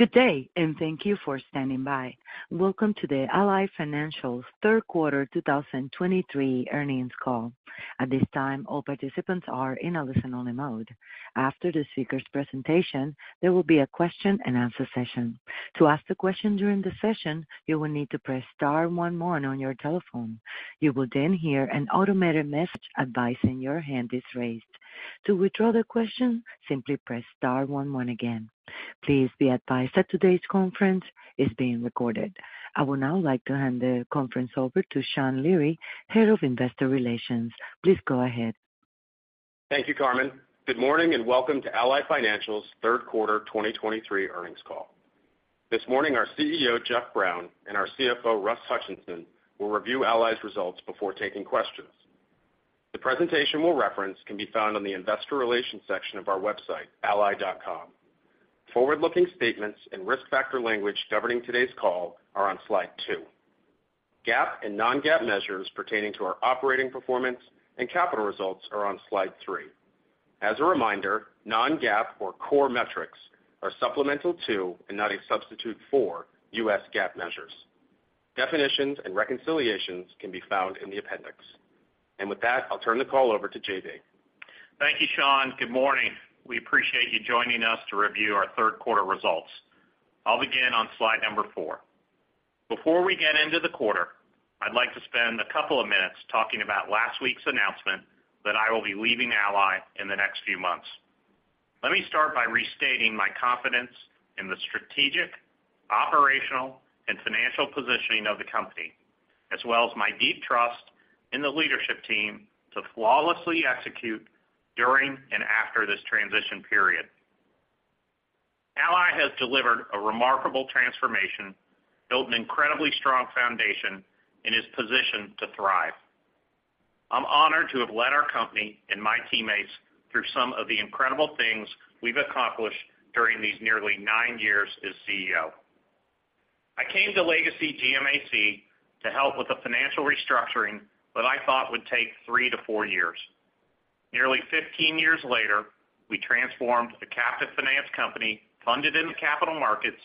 Good day, and thank you for standing by. Welcome to the Ally Financial's third quarter 2023 earnings call. At this time, all participants are in a listen-only mode. After the speaker's presentation, there will be a question-and-answer session. To ask the question during the session, you will need to press star one one on your telephone. You will then hear an automated message advising your hand is raised. To withdraw the question, simply press star one one again. Please be advised that today's conference is being recorded. I would now like to hand the conference over to Sean Leary, Head of Investor Relations. Please go ahead. Thank you, Carmen. Good morning, and welcome to Ally Financial's third quarter 2023 earnings call. This morning, our CEO, Jeff Brown, and our CFO, Russ Hutchinson, will review Ally's results before taking questions. The presentation we'll reference can be found on the investor relations section of our website, ally.com. Forward-looking statements and risk factor language governing today's call are on Slide 2. GAAP and non-GAAP measures pertaining to our operating performance and capital results are on Slide 3. As a reminder, non-GAAP, or core metrics, are supplemental to and not a substitute for U.S. GAAP measures. Definitions and reconciliations can be found in the appendix. And with that, I'll turn the call over to J.B. Thank you, Sean. Good morning. We appreciate you joining us to review our third quarter results. I'll begin on slide number 4. Before we get into the quarter, I'd like to spend a couple of minutes talking about last week's announcement that I will be leaving Ally in the next few months. Let me start by restating my confidence in the strategic, operational, and financial positioning of the company, as well as my deep trust in the leadership team to flawlessly execute during and after this transition period. Ally has delivered a remarkable transformation, built an incredibly strong foundation and is positioned to thrive. I'm honored to have led our company and my teammates through some of the incredible things we've accomplished during these nearly 9 years as CEO. I came to Legacy GMAC to help with the financial restructuring that I thought would take 3-4 years. Nearly 15 years later, we transformed a captive finance company, funded in the capital markets,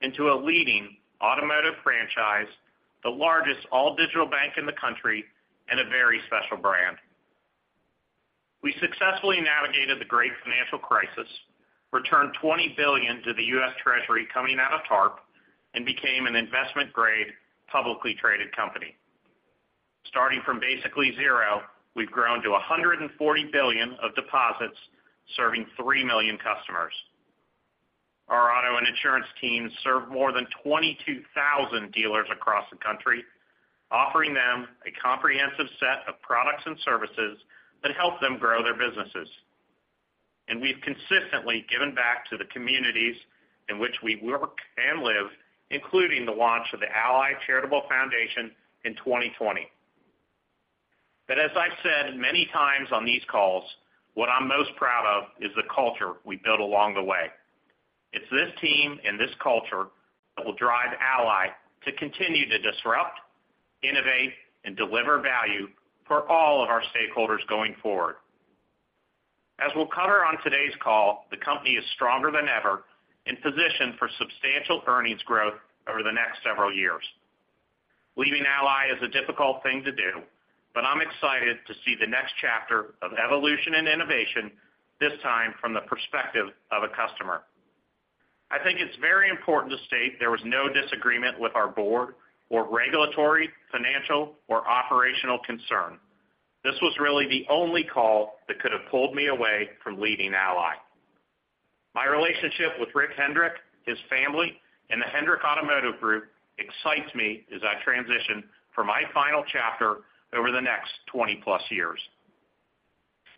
into a leading automotive franchise, the largest all-digital bank in the country, and a very special brand. We successfully navigated the great financial crisis, returned $20 billion to the U.S. Treasury coming out of TARP, and became an investment-grade, publicly traded company. Starting from basically zero, we've grown to $140 billion of deposits serving 3 million customers. Our auto and insurance teams serve more than 22,000 dealers across the country, offering them a comprehensive set of products and services that help them grow their businesses. And we've consistently given back to the communities in which we work and live, including the launch of the Ally Charitable Foundation in 2020. But as I've said many times on these calls, what I'm most proud of is the culture we built along the way. It's this team and this culture that will drive Ally to continue to disrupt, innovate, and deliver value for all of our stakeholders going forward. As we'll cover on today's call, the company is stronger than ever and positioned for substantial earnings growth over the next several years. Leaving Ally is a difficult thing to do, but I'm excited to see the next chapter of evolution and innovation, this time from the perspective of a customer. I think it's very important to state there was no disagreement with our board or regulatory, financial, or operational concern. This was really the only call that could have pulled me away from leading Ally. My relationship with Rick Hendrick, his family, and the Hendrick Automotive Group excites me as I transition for my final chapter over the next 20+ years.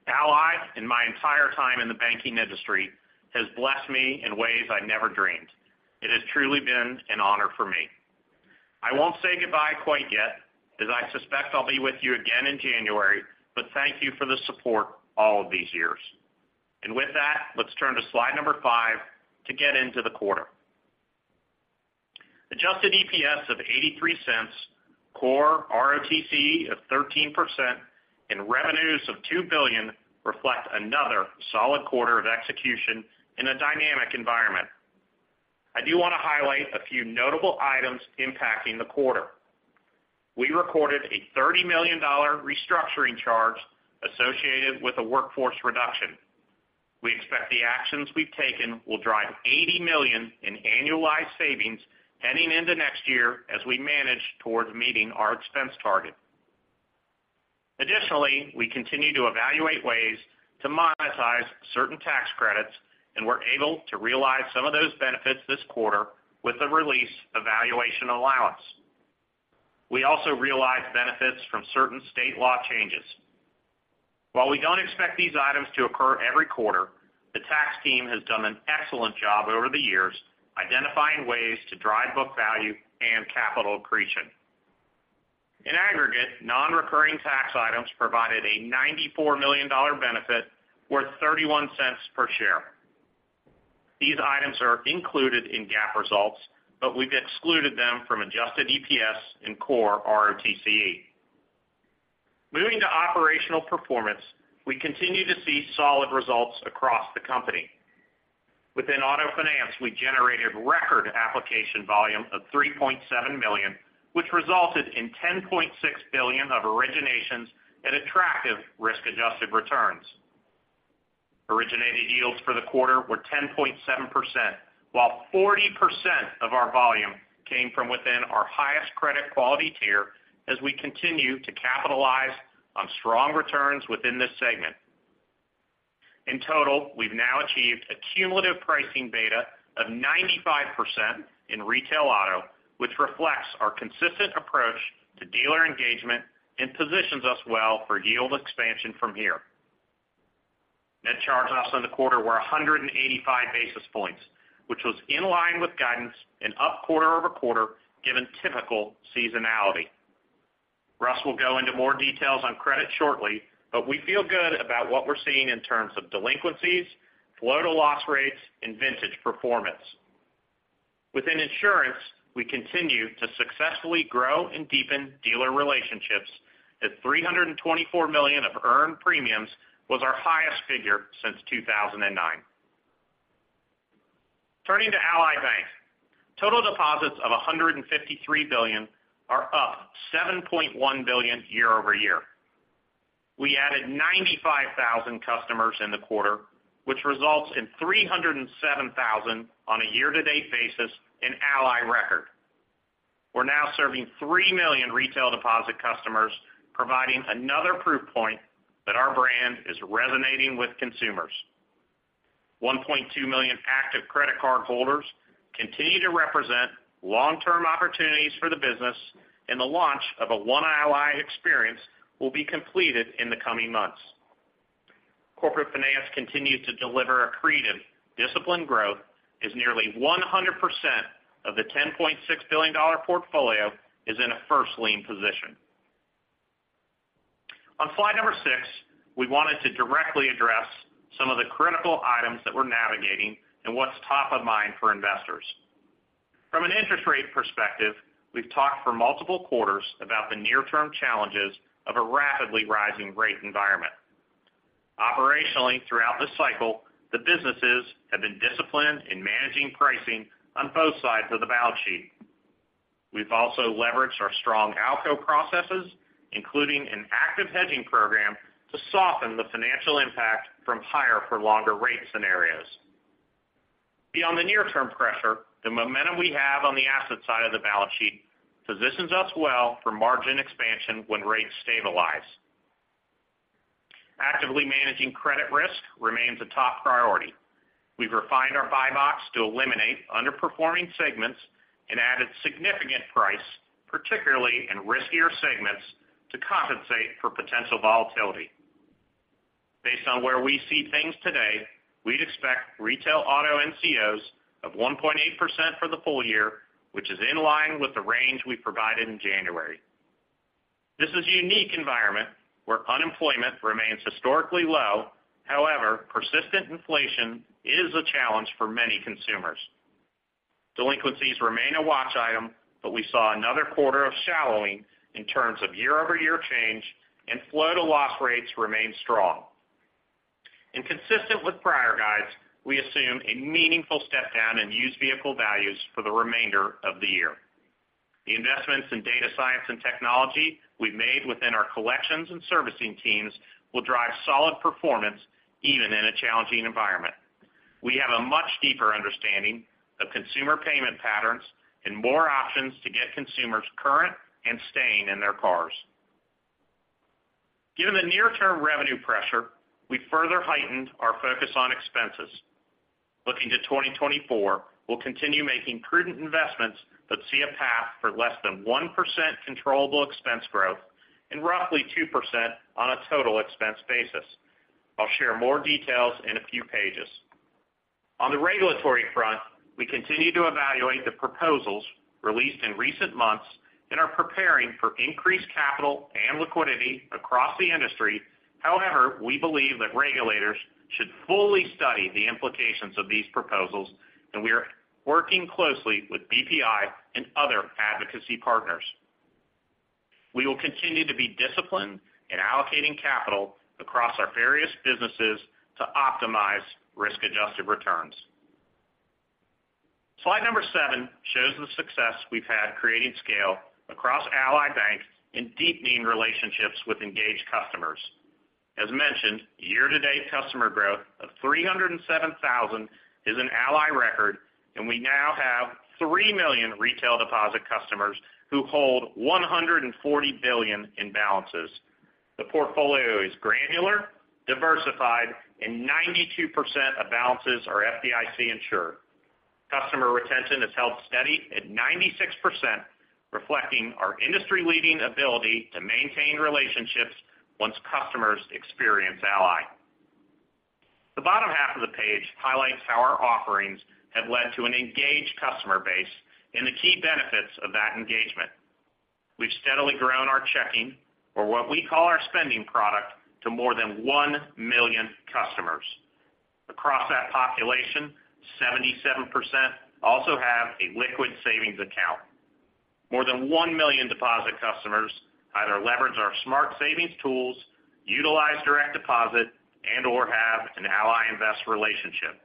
Ally, in my entire time in the banking industry, has blessed me in ways I never dreamed. It has truly been an honor for me. I won't say goodbye quite yet, as I suspect I'll be with you again in January, but thank you for the support all of these years. And with that, let's turn to slide number 5 to get into the quarter. Adjusted EPS of $0.83, core ROTCE of 13%, and revenues of $2 billion reflect another solid quarter of execution in a dynamic environment. I do want to highlight a few notable items impacting the quarter. We recorded a $30 million dollar restructuring charge associated with a workforce reduction. We expect the actions we've taken will drive $80 million in annualized savings heading into next year as we manage towards meeting our expense target. Additionally, we continue to evaluate ways to monetize certain tax credits, and we're able to realize some of those benefits this quarter with the release of valuation allowance. We also realize benefits from certain state law changes. While we don't expect these items to occur every quarter, the tax team has done an excellent job over the years identifying ways to drive book value and capital accretion. In aggregate, non-recurring tax items provided a $94 million benefit worth $0.31 per share. These items are included in GAAP results, but we've excluded them from adjusted EPS and core ROTCE....Moving to operational performance, we continue to see solid results across the company. Within auto finance, we generated record application volume of 3.7 million, which resulted in $10.6 billion of originations and attractive risk-adjusted returns. Originated yields for the quarter were 10.7%, while 40% of our volume came from within our highest credit quality tier as we continue to capitalize on strong returns within this segment. In total, we've now achieved a cumulative pricing beta of 95% in retail auto, which reflects our consistent approach to dealer engagement and positions us well for yield expansion from here. Net charge-offs in the quarter were 185 basis points, which was in line with guidance and up quarter-over-quarter, given typical seasonality. Russ will go into more details on credit shortly, but we feel good about what we're seeing in terms of delinquencies, flow to loss rates, and vintage performance. Within insurance, we continue to successfully grow and deepen dealer relationships, as $324 million of earned premiums was our highest figure since 2009. Turning to Ally Bank, total deposits of $153 billion are up $7.1 billion year-over-year. We added 95,000 customers in the quarter, which results in 307,000 on a year-to-date basis, an Ally record. We're now serving 3 million retail deposit customers, providing another proof point that our brand is resonating with consumers. 1.2 million active credit card holders continue to represent long-term opportunities for the business, and the launch of a One Ally experience will be completed in the coming months. Corporate finance continues to deliver accretive, disciplined growth, as nearly 100% of the $10.6 billion portfolio is in a first lien position. On slide number 6, we wanted to directly address some of the critical items that we're navigating and what's top of mind for investors. From an interest rate perspective, we've talked for multiple quarters about the near-term challenges of a rapidly rising rate environment. Operationally, throughout this cycle, the businesses have been disciplined in managing pricing on both sides of the balance sheet. We've also leveraged our strong ALCO processes, including an active hedging program, to soften the financial impact from higher for longer rate scenarios. Beyond the near-term pressure, the momentum we have on the asset side of the balance sheet positions us well for margin expansion when rates stabilize. Actively managing credit risk remains a top priority. We've refined our buy box to eliminate underperforming segments and added significant price, particularly in riskier segments, to compensate for potential volatility. Based on where we see things today, we'd expect retail auto NCOs of 1.8% for the full year, which is in line with the range we provided in January. This is a unique environment where unemployment remains historically low. However, persistent inflation is a challenge for many consumers. Delinquencies remain a watch item, but we saw another quarter of shallowing in terms of year-over-year change, and flow to loss rates remain strong. And consistent with prior guides, we assume a meaningful step down in used vehicle values for the remainder of the year. The investments in data science and technology we've made within our collections and servicing teams will drive solid performance even in a challenging environment. We have a much deeper understanding of consumer payment patterns and more options to get consumers current and staying in their cars. Given the near-term revenue pressure, we further heightened our focus on expenses. Looking to 2024, we'll continue making prudent investments, but see a path for less than 1% controllable expense growth and roughly 2% on a total expense basis. I'll share more details in a few pages. On the regulatory front, we continue to evaluate the proposals released in recent months and are preparing for increased capital and liquidity across the industry. However, we believe that regulators should fully study the implications of these proposals, and we are working closely with BPI and other advocacy partners. We will continue to be disciplined in allocating capital across our various businesses to optimize risk-adjusted returns. Slide number 7 shows the success we've had creating scale across Ally Bank and deepening relationships with engaged customers. As mentioned, year-to-date customer growth of 307,000 is an Ally record, and we now have 3 million retail deposit customers who hold $140 billion in balances. The portfolio is granular, diversified, and 92% of balances are FDIC insured. Customer retention has held steady at 96%, reflecting our industry-leading ability to maintain relationships once customers experience Ally. The bottom half of the page highlights how our offerings have led to an engaged customer base and the key benefits of that engagement. We've steadily grown our checking, or what we call our spending product, to more than 1 million customers.... population, 77% also have a liquid savings account. More than 1 million deposit customers either leverage our smart savings tools, utilize direct deposit, and/or have an Ally Invest relationship.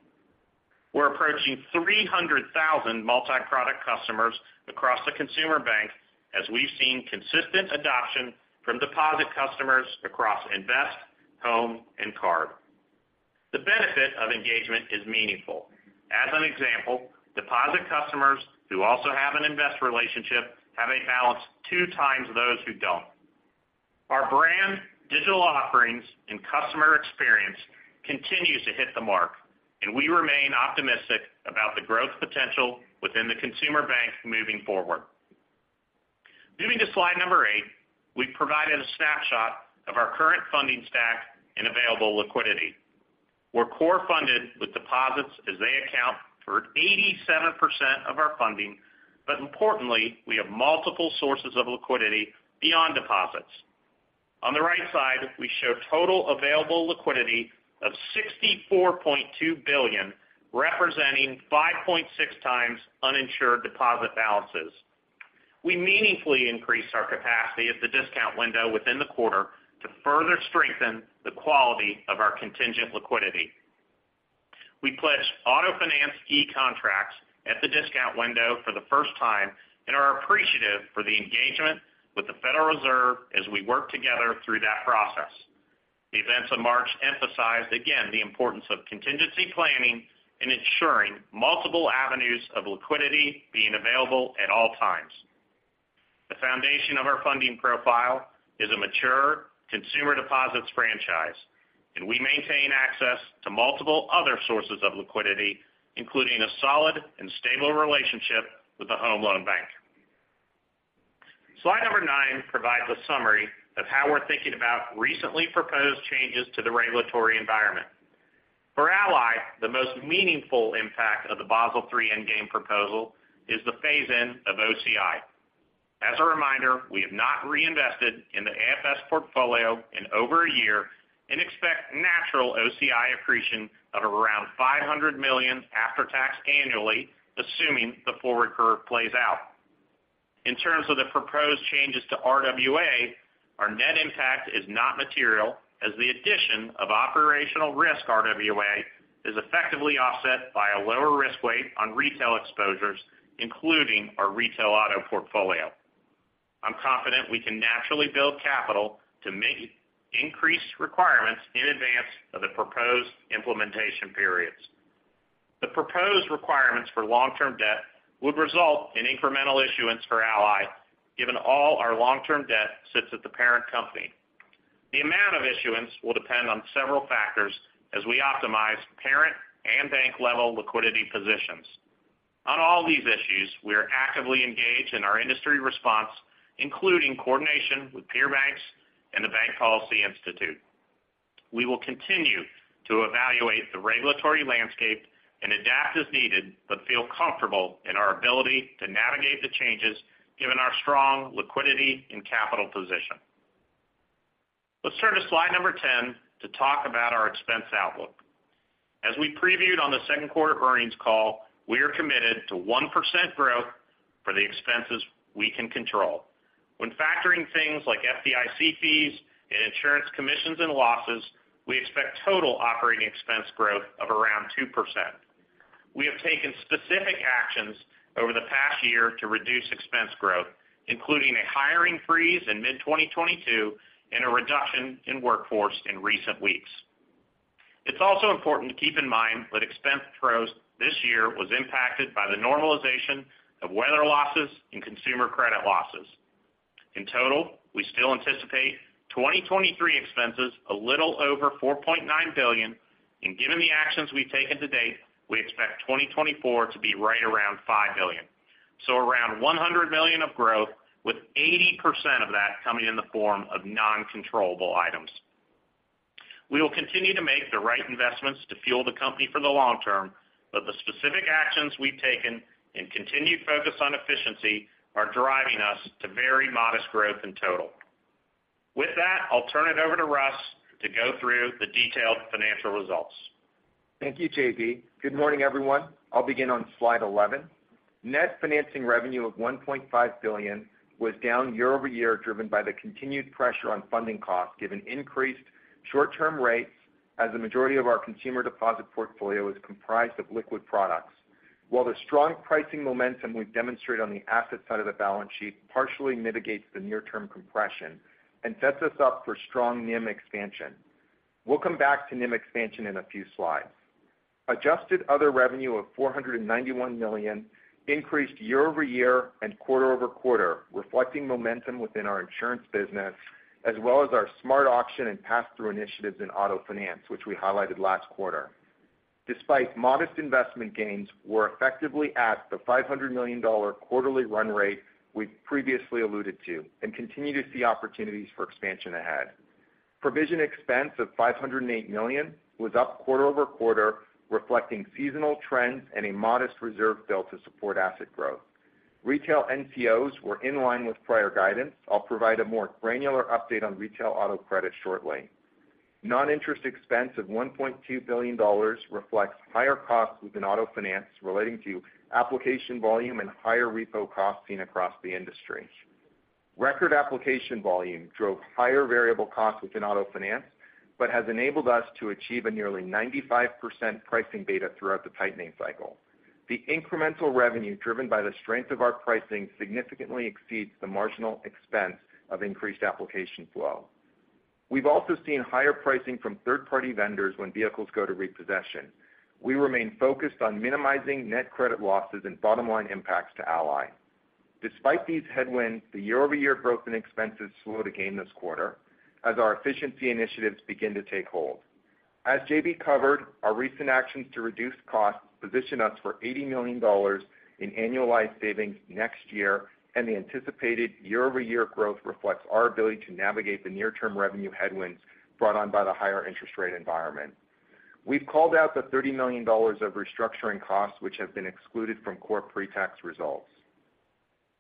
We're approaching 300,000 multi-product customers across the consumer bank as we've seen consistent adoption from deposit customers across Invest, Home, and Card. The benefit of engagement is meaningful. As an example, deposit customers who also have an Invest relationship have a balance 2 times those who don't. Our brand, digital offerings, and customer experience continues to hit the mark, and we remain optimistic about the growth potential within the consumer bank moving forward. Moving to slide 8, we've provided a snapshot of our current funding stack and available liquidity. We're core funded with deposits as they account for 87% of our funding, but importantly, we have multiple sources of liquidity beyond deposits. On the right side, we show total available liquidity of $64.2 billion, representing 5.6 times uninsured deposit balances. We meaningfully increased our capacity at the discount window within the quarter to further strengthen the quality of our contingent liquidity. We pledged auto finance e-contracts at the discount window for the first time, and are appreciative for the engagement with the Federal Reserve as we work together through that process. The events of March emphasized, again, the importance of contingency planning and ensuring multiple avenues of liquidity being available at all times. The foundation of our funding profile is a mature consumer deposits franchise, and we maintain access to multiple other sources of liquidity, including a solid and stable relationship with the Home Loan Bank. Slide number 9 provides a summary of how we're thinking about recently proposed changes to the regulatory environment. For Ally, the most meaningful impact of the Basel III Endgame proposal is the phase-in of OCI. As a reminder, we have not reinvested in the AFS portfolio in over a year and expect natural OCI accretion of around $500 million after tax annually, assuming the forward curve plays out. In terms of the proposed changes to RWA, our net impact is not material, as the addition of operational risk RWA is effectively offset by a lower risk weight on retail exposures, including our retail auto portfolio. I'm confident we can naturally build capital to meet increased requirements in advance of the proposed implementation periods. The proposed requirements for long-term debt would result in incremental issuance for Ally, given all our long-term debt sits at the parent company. The amount of issuance will depend on several factors as we optimize parent and bank-level liquidity positions. On all these issues, we are actively engaged in our industry response, including coordination with peer banks and the Bank Policy Institute. We will continue to evaluate the regulatory landscape and adapt as needed, but feel comfortable in our ability to navigate the changes given our strong liquidity and capital position. Let's turn to slide number 10 to talk about our expense outlook. As we previewed on the second quarter earnings call, we are committed to 1% growth for the expenses we can control. When factoring things like FDIC fees and insurance commissions and losses, we expect total operating expense growth of around 2%. We have taken specific actions over the past year to reduce expense growth, including a hiring freeze in mid-2022 and a reduction in workforce in recent weeks. It's also important to keep in mind that expense growth this year was impacted by the normalization of weather losses and consumer credit losses. In total, we still anticipate 2023 expenses a little over $4.9 billion, and given the actions we've taken to date, we expect 2024 to be right around $5 billion. So around $100 million of growth, with 80% of that coming in the form of non-controllable items. We will continue to make the right investments to fuel the company for the long term, but the specific actions we've taken and continued focus on efficiency are driving us to very modest growth in total. With that, I'll turn it over to Russ to go through the detailed financial results. Thank you, J.B. Good morning, everyone. I'll begin on slide 11. Net financing revenue of $1.5 billion was down year-over-year, driven by the continued pressure on funding costs, given increased short-term rates as the majority of our consumer deposit portfolio is comprised of liquid products. While the strong pricing momentum we've demonstrated on the asset side of the balance sheet partially mitigates the near-term compression and sets us up for strong NIM expansion. We'll come back to NIM expansion in a few slides. Adjusted other revenue of $491 million increased year-over-year and quarter-over-quarter, reflecting momentum within our insurance business, as well as our SmartAuction and pass-through initiatives in auto finance, which we highlighted last quarter. Despite modest investment gains, we're effectively at the $500 million quarterly run rate we've previously alluded to and continue to see opportunities for expansion ahead. Provision expense of $508 million was up quarter-over-quarter, reflecting seasonal trends and a modest reserve build to support asset growth. Retail NCOs were in line with prior guidance. I'll provide a more granular update on retail auto credit shortly. Non-interest expense of $1.2 billion reflects higher costs within auto finance relating to application volume and higher repo costs seen across the industry. Record application volume drove higher variable costs within auto finance, but has enabled us to achieve a nearly 95% pricing beta throughout the tightening cycle. The incremental revenue, driven by the strength of our pricing, significantly exceeds the marginal expense of increased application flow. We've also seen higher pricing from third-party vendors when vehicles go to repossession. We remain focused on minimizing net credit losses and bottom-line impacts to Ally. Despite these headwinds, the year-over-year growth in expenses slowed again this quarter, as our efficiency initiatives begin to take hold. As JB covered, our recent actions to reduce costs position us for $80 million in annualized savings next year, and the anticipated year-over-year growth reflects our ability to navigate the near-term revenue headwinds brought on by the higher interest rate environment. We've called out the $30 million of restructuring costs, which have been excluded from core pre-tax results.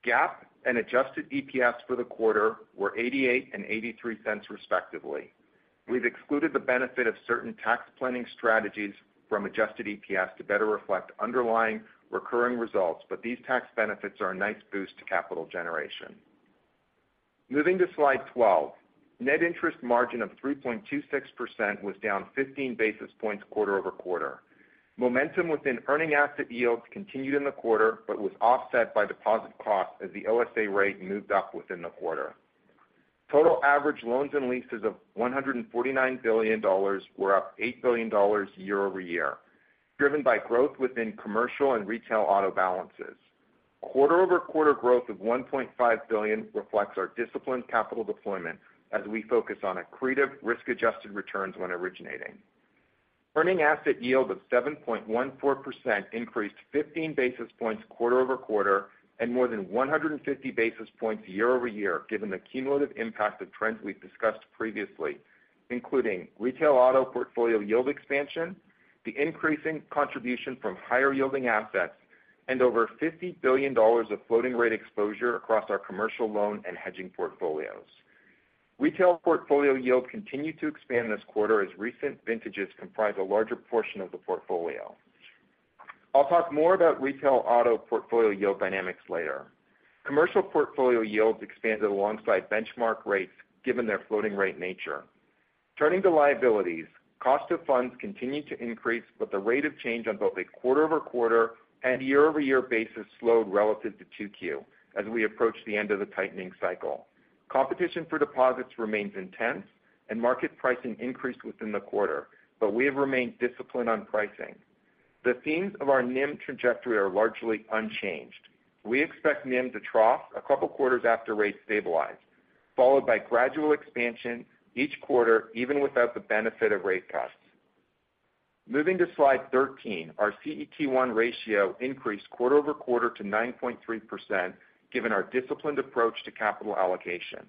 GAAP and adjusted EPS for the quarter were $0.88 and $0.83, respectively. We've excluded the benefit of certain tax planning strategies from adjusted EPS to better reflect underlying recurring results, but these tax benefits are a nice boost to capital generation. Moving to Slide 12, net interest margin of 3.26% was down 15 basis points quarter-over-quarter. Momentum within earning asset yields continued in the quarter, but was offset by deposit costs as the OSA rate moved up within the quarter. Total average loans and leases of $149 billion were up $8 billion year-over-year, driven by growth within commercial and retail auto balances. Quarter-over-quarter growth of $1.5 billion reflects our disciplined capital deployment as we focus on accretive risk-adjusted returns when originating. Earning asset yield of 7.14% increased 15 basis points quarter-over-quarter and more than 150 basis points year-over-year, given the cumulative impact of trends we've discussed previously, including retail auto portfolio yield expansion, the increasing contribution from higher-yielding assets, and over $50 billion of floating rate exposure across our commercial loan and hedging portfolios. Retail portfolio yield continued to expand this quarter as recent vintages comprise a larger portion of the portfolio. I'll talk more about retail auto portfolio yield dynamics later. Commercial portfolio yields expanded alongside benchmark rates given their floating rate nature. Turning to liabilities, cost of funds continued to increase, but the rate of change on both a quarter-over-quarter and year-over-year basis slowed relative to 2Q, as we approach the end of the tightening cycle. Competition for deposits remains intense, and market pricing increased within the quarter, but we have remained disciplined on pricing. The themes of our NIM trajectory are largely unchanged. We expect NIM to trough a couple of quarters after rates stabilize, followed by gradual expansion each quarter, even without the benefit of rate cuts. Moving to Slide 13, our CET1 ratio increased quarter-over-quarter to 9.3%, given our disciplined approach to capital allocation.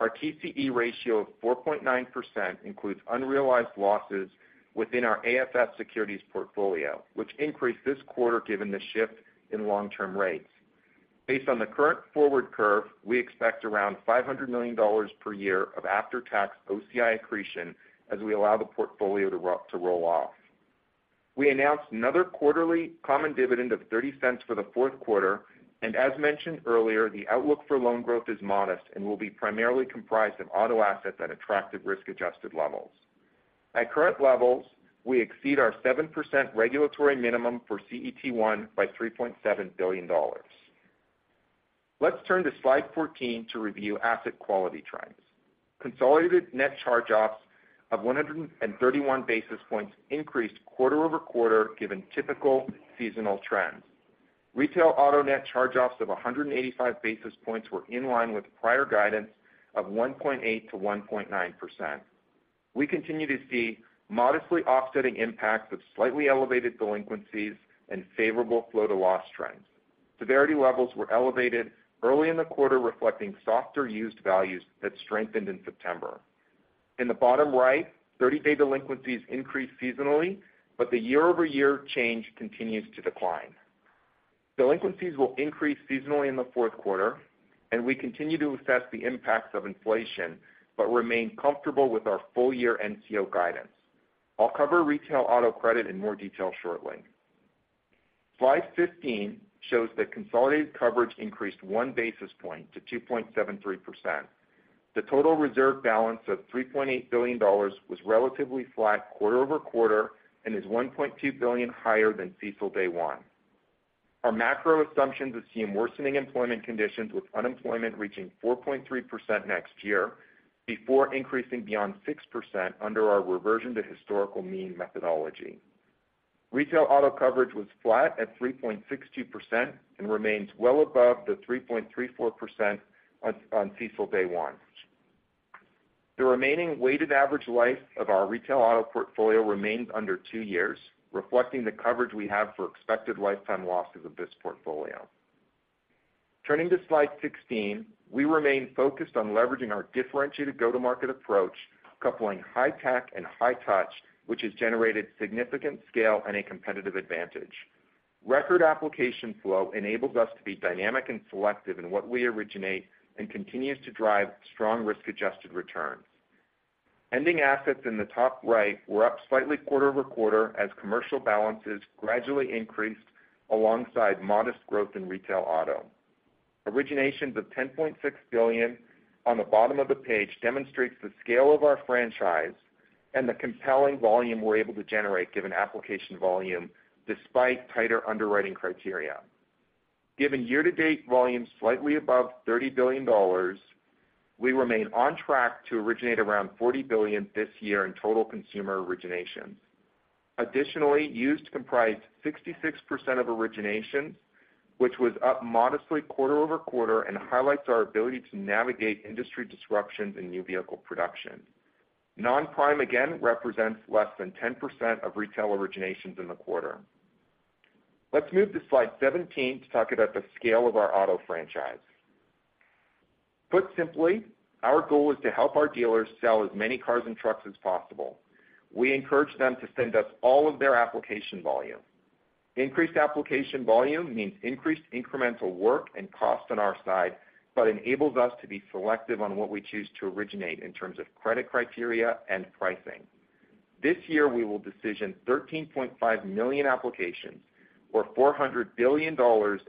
Our TCE ratio of 4.9% includes unrealized losses within our AFS securities portfolio, which increased this quarter given the shift in long-term rates. Based on the current forward curve, we expect around $500 million per year of after-tax OCI accretion as we allow the portfolio to roll off. We announced another quarterly common dividend of $0.30 for the fourth quarter, and as mentioned earlier, the outlook for loan growth is modest and will be primarily comprised of auto assets at attractive risk-adjusted levels. At current levels, we exceed our 7% regulatory minimum for CET1 by $3.7 billion. Let's turn to Slide 14 to review asset quality trends. Consolidated net charge-offs of 131 basis points increased quarter-over-quarter, given typical seasonal trends. Retail auto net charge-offs of 185 basis points were in line with prior guidance of 1.8%-1.9%. We continue to see modestly offsetting impacts of slightly elevated delinquencies and favorable flow to loss trends. Severity levels were elevated early in the quarter, reflecting softer used values that strengthened in September. In the bottom right, 30-day delinquencies increased seasonally, but the year-over-year change continues to decline. Delinquencies will increase seasonally in the fourth quarter, and we continue to assess the impacts of inflation, but remain comfortable with our full-year NCO guidance. I'll cover retail auto credit in more detail shortly. Slide 15 shows that consolidated coverage increased 1 basis point to 2.73%. The total reserve balance of $3.8 billion was relatively flat quarter-over-quarter and is $1.2 billion higher than CECL day one. Our macro assumptions assume worsening employment conditions, with unemployment reaching 4.3% next year before increasing beyond 6% under our reversion to historical mean methodology. Retail auto coverage was flat at 3.62% and remains well above the 3.34% on CECL day one. The remaining weighted average life of our retail auto portfolio remains under two years, reflecting the coverage we have for expected lifetime losses of this portfolio. Turning to Slide 16, we remain focused on leveraging our differentiated go-to-market approach, coupling high tech and high touch, which has generated significant scale and a competitive advantage. Record application flow enables us to be dynamic and selective in what we originate and continues to drive strong risk-adjusted returns. Ending assets in the top right were up slightly quarter-over-quarter as commercial balances gradually increased alongside modest growth in retail auto. Originations of $10.6 billion on the bottom of the page demonstrates the scale of our franchise and the compelling volume we're able to generate given application volume despite tighter underwriting criteria. Given year-to-date volume slightly above $30 billion, we remain on track to originate around $40 billion this year in total consumer originations. Additionally, used comprised 66% of originations, which was up modestly quarter-over-quarter and highlights our ability to navigate industry disruptions in new vehicle production. Non-prime, again, represents less than 10% of retail originations in the quarter. Let's move to slide 17 to talk about the scale of our auto franchise. Put simply, our goal is to help our dealers sell as many cars and trucks as possible. We encourage them to send us all of their application volume. Increased application volume means increased incremental work and cost on our side, but enables us to be selective on what we choose to originate in terms of credit criteria and pricing. This year, we will decision 13.5 million applications or $400 billion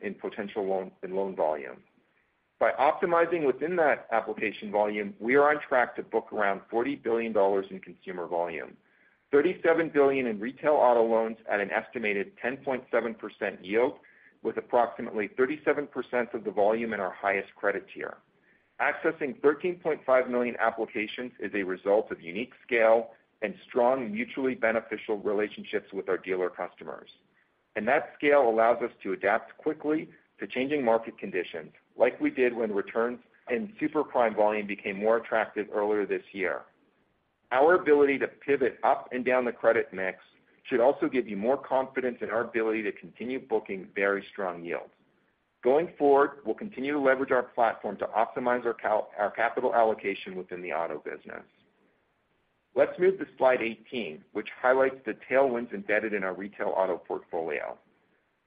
in potential loans and loan volume. By optimizing within that application volume, we are on track to book around $40 billion in consumer volume, $37 billion in retail auto loans at an estimated 10.7% yield, with approximately 37% of the volume in our highest credit tier. Accessing 13.5 million applications is a result of unique scale and strong, mutually beneficial relationships with our dealer customers. That scale allows us to adapt quickly to changing market conditions, like we did when returns and super prime volume became more attractive earlier this year. Our ability to pivot up and down the credit mix should also give you more confidence in our ability to continue booking very strong yields. Going forward, we'll continue to leverage our platform to optimize our capital allocation within the auto business. Let's move to slide 18, which highlights the tailwinds embedded in our retail auto portfolio.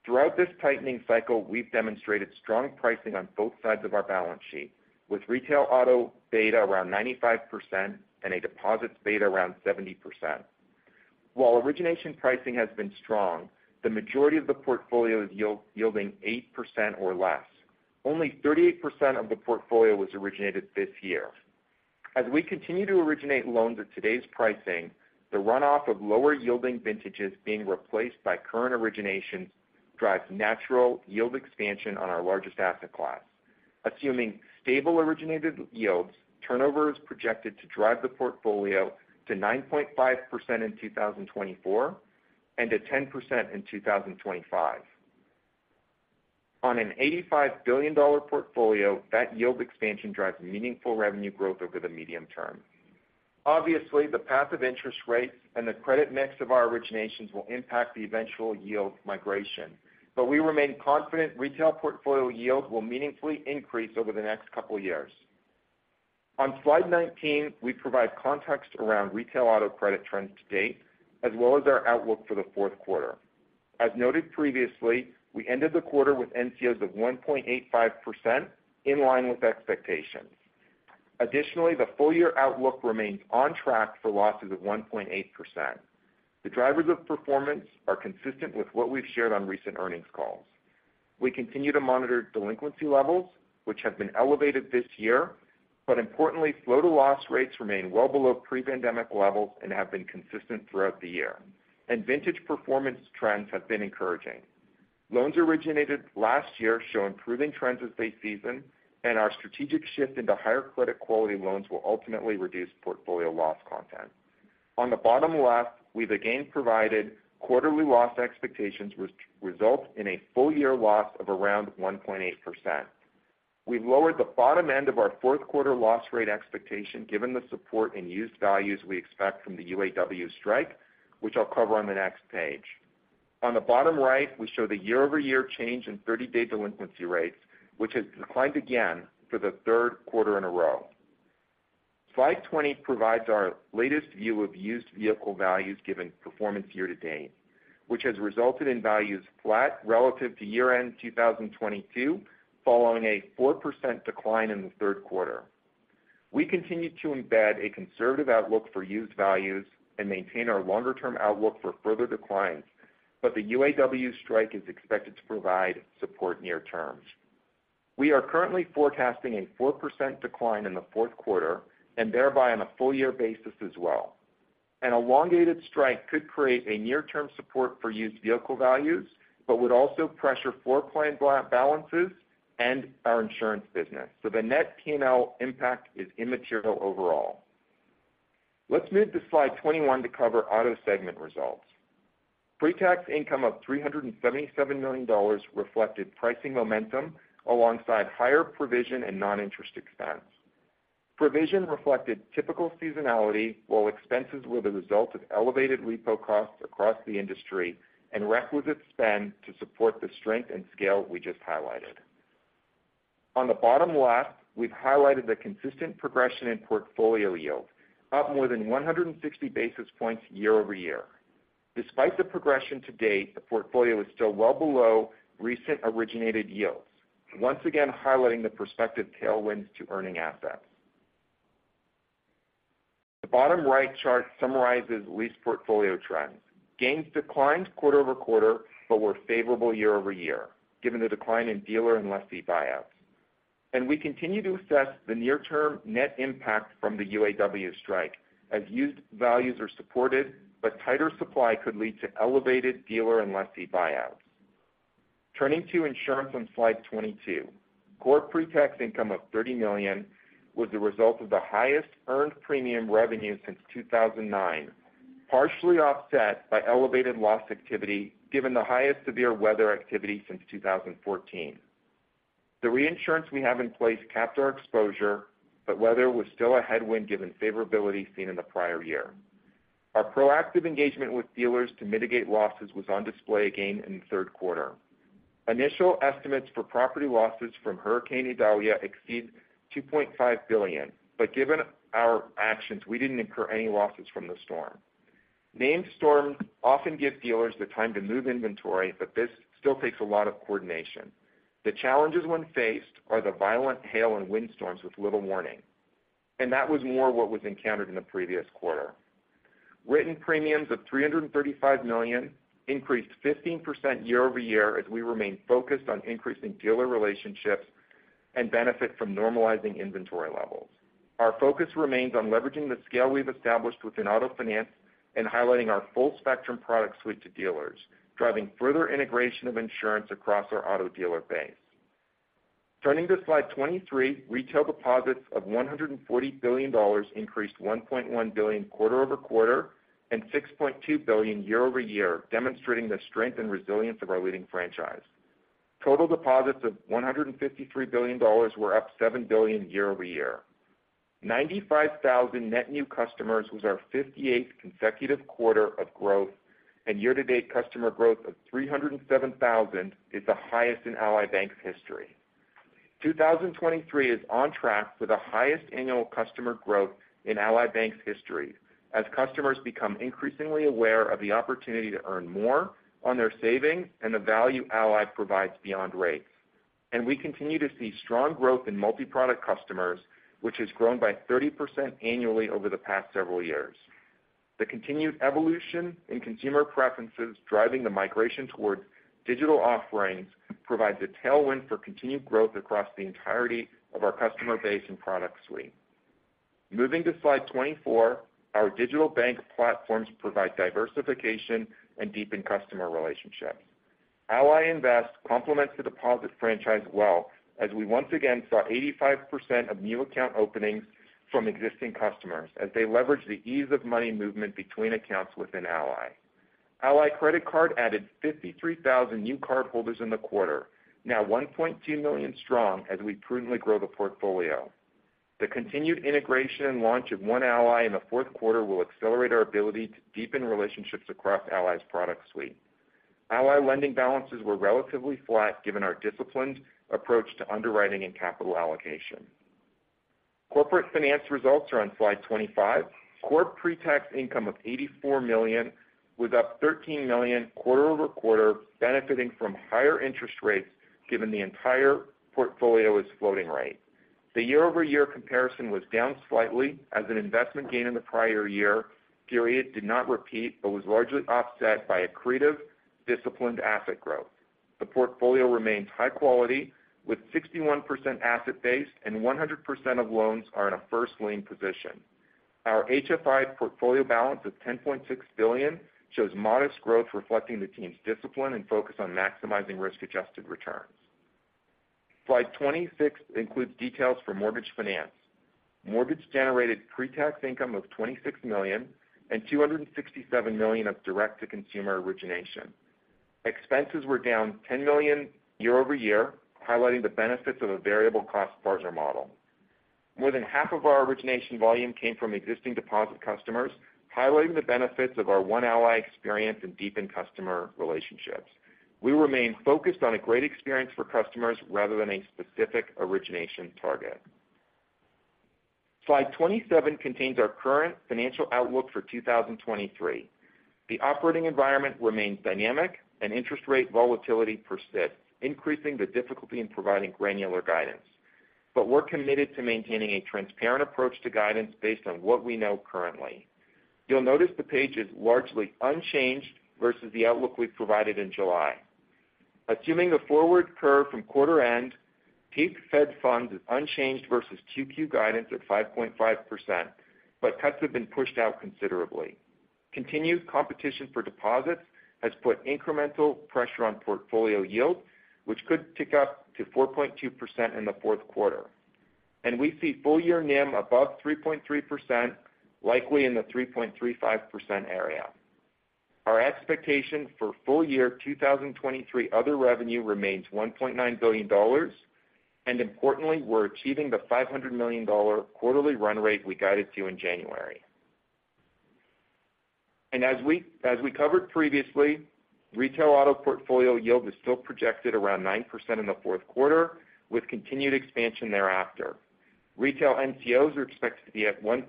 Throughout this tightening cycle, we've demonstrated strong pricing on both sides of our balance sheet, with retail auto beta around 95% and a deposits beta around 70%. While origination pricing has been strong, the majority of the portfolio is yielding 8% or less. Only 38% of the portfolio was originated this year. As we continue to originate loans at today's pricing, the runoff of lower yielding vintages being replaced by current originations drives natural yield expansion on our largest asset class. Assuming stable originated yields, turnover is projected to drive the portfolio to 9.5% in 2024 and to 10% in 2025. On an $85 billion portfolio, that yield expansion drives meaningful revenue growth over the medium term. Obviously, the path of interest rates and the credit mix of our originations will impact the eventual yield migration, but we remain confident retail portfolio yield will meaningfully increase over the next couple of years. On slide 19, we provide context around retail auto credit trends to date, as well as our outlook for the fourth quarter. As noted previously, we ended the quarter with NCOs of 1.85%, in line with expectations. Additionally, the full year outlook remains on track for losses of 1.8%. The drivers of performance are consistent with what we've shared on recent earnings calls. We continue to monitor delinquency levels, which have been elevated this year, but importantly, flow-to-loss rates remain well below pre-pandemic levels and have been consistent throughout the year, and vintage performance trends have been encouraging. Loans originated last year show improving trends as they season, and our strategic shift into higher credit quality loans will ultimately reduce portfolio loss content. On the bottom left, we've again provided quarterly loss expectations, which result in a full year loss of around 1.8%. We've lowered the bottom end of our fourth quarter loss rate expectation, given the support in used values we expect from the UAW strike, which I'll cover on the next page. On the bottom right, we show the year-over-year change in 30-day delinquency rates, which has declined again for the third quarter in a row. Slide 20 provides our latest view of used vehicle values given performance year to date, which has resulted in values flat relative to year-end 2022, following a 4% decline in the third quarter. We continue to embed a conservative outlook for used values and maintain our longer-term outlook for further declines, but the UAW strike is expected to provide support near term. We are currently forecasting a 4% decline in the fourth quarter and thereby on a full year basis as well. An elongated strike could create a near-term support for used vehicle values, but would also pressure floor plan balances and our insurance business, so the net P&L impact is immaterial overall. Let's move to slide 21 to cover auto segment results. Pre-tax income of $377 million reflected pricing momentum alongside higher provision and non-interest expense. Provision reflected typical seasonality, while expenses were the result of elevated repo costs across the industry and requisite spend to support the strength and scale we just highlighted. On the bottom left, we've highlighted the consistent progression in portfolio yield, up more than 160 basis points year-over-year. Despite the progression to date, the portfolio is still well below recent originated yields, once again highlighting the prospective tailwinds to earning assets. The bottom right chart summarizes lease portfolio trends. Gains declined quarter-over-quarter, but were favorable year-over-year, given the decline in dealer and lessee buyouts. And we continue to assess the near-term net impact from the UAW strike, as used values are supported, but tighter supply could lead to elevated dealer and lessee buyouts. Turning to insurance on Slide 22. Core pre-tax income of $30 million was the result of the highest earned premium revenue since 2009, partially offset by elevated loss activity, given the highest severe weather activity since 2014. The reinsurance we have in place capped our exposure, but weather was still a headwind, given favorability seen in the prior year. Our proactive engagement with dealers to mitigate losses was on display again in the third quarter. Initial estimates for property losses from Hurricane Idalia exceed $2.5 billion. But given our actions, we didn't incur any losses from the storm. Named storms often give dealers the time to move inventory, but this still takes a lot of coordination. The challenges when faced are the violent hail and windstorms with little warning, and that was more what was encountered in the previous quarter. Written premiums of $335 million increased 15% year-over-year, as we remain focused on increasing dealer relationships and benefit from normalizing inventory levels. Our focus remains on leveraging the scale we've established within auto finance and highlighting our full spectrum product suite to dealers, driving further integration of insurance across our auto dealer base. Turning to Slide 23, retail deposits of $140 billion increased $1.1 billion quarter-over-quarter and $6.2 billion year-over-year, demonstrating the strength and resilience of our leading franchise. Total deposits of $153 billion were up $7 billion year-over-year. 95,000 net new customers was our 58th consecutive quarter of growth, and year-to-date customer growth of 307,000 is the highest in Ally Bank's history. 2023 is on track for the highest annual customer growth in Ally Bank's history, as customers become increasingly aware of the opportunity to earn more on their savings and the value Ally provides beyond rates. We continue to see strong growth in multi-product customers, which has grown by 30% annually over the past several years. The continued evolution in consumer preferences, driving the migration towards digital offerings, provides a tailwind for continued growth across the entirety of our customer base and product suite. Moving to Slide 24, our digital bank platforms provide diversification and deepen customer relationships. Ally Invest complements the deposit franchise well, as we once again saw 85% of new account openings from existing customers, as they leverage the ease of money movement between accounts within Ally. Ally Credit Card added 53,000 new cardholders in the quarter, now 1.2 million strong, as we prudently grow the portfolio. The continued integration and launch of One Ally in the fourth quarter will accelerate our ability to deepen relationships across Ally's product suite. Ally Lending balances were relatively flat, given our disciplined approach to underwriting and capital allocation. Corporate finance results are on Slide 25. Core pre-tax income of $84 million was up $13 million quarter over quarter, benefiting from higher interest rates, given the entire portfolio is floating rate. The year-over-year comparison was down slightly as an investment gain in the prior year period did not repeat but was largely offset by accretive, disciplined asset growth. The portfolio remains high quality, with 61% asset-based and 100% of loans are in a first lien position. Our HFI portfolio balance of $10.6 billion shows modest growth, reflecting the team's discipline and focus on maximizing risk-adjusted returns. Slide 26 includes details for mortgage finance. Mortgage-generated pre-tax income of $26 million and $267 million of direct-to-consumer origination. Expenses were down $10 million year-over-year, highlighting the benefits of a variable cost partner model. More than half of our origination volume came from existing deposit customers, highlighting the benefits of our One Ally experience and deepened customer relationships. We remain focused on a great experience for customers rather than a specific origination target. Slide 27 contains our current financial outlook for 2023. The operating environment remains dynamic and interest rate volatility persists, increasing the difficulty in providing granular guidance. But we're committed to maintaining a transparent approach to guidance based on what we know currently. You'll notice the page is largely unchanged versus the outlook we provided in July. Assuming the forward curve from quarter end, peak Fed funds is unchanged versus 2Q guidance of 5.5%, but cuts have been pushed out considerably. Continued competition for deposits has put incremental pressure on portfolio yield, which could tick up to 4.2% in the fourth quarter. We see full year NIM above 3.3%, likely in the 3.35% area. Our expectation for full year 2023 other revenue remains $1.9 billion, and importantly, we're achieving the $500 million quarterly run rate we guided to in January. And as we, as we covered previously, retail auto portfolio yield is still projected around 9% in the fourth quarter, with continued expansion thereafter. Retail NCOs are expected to be at 1.8%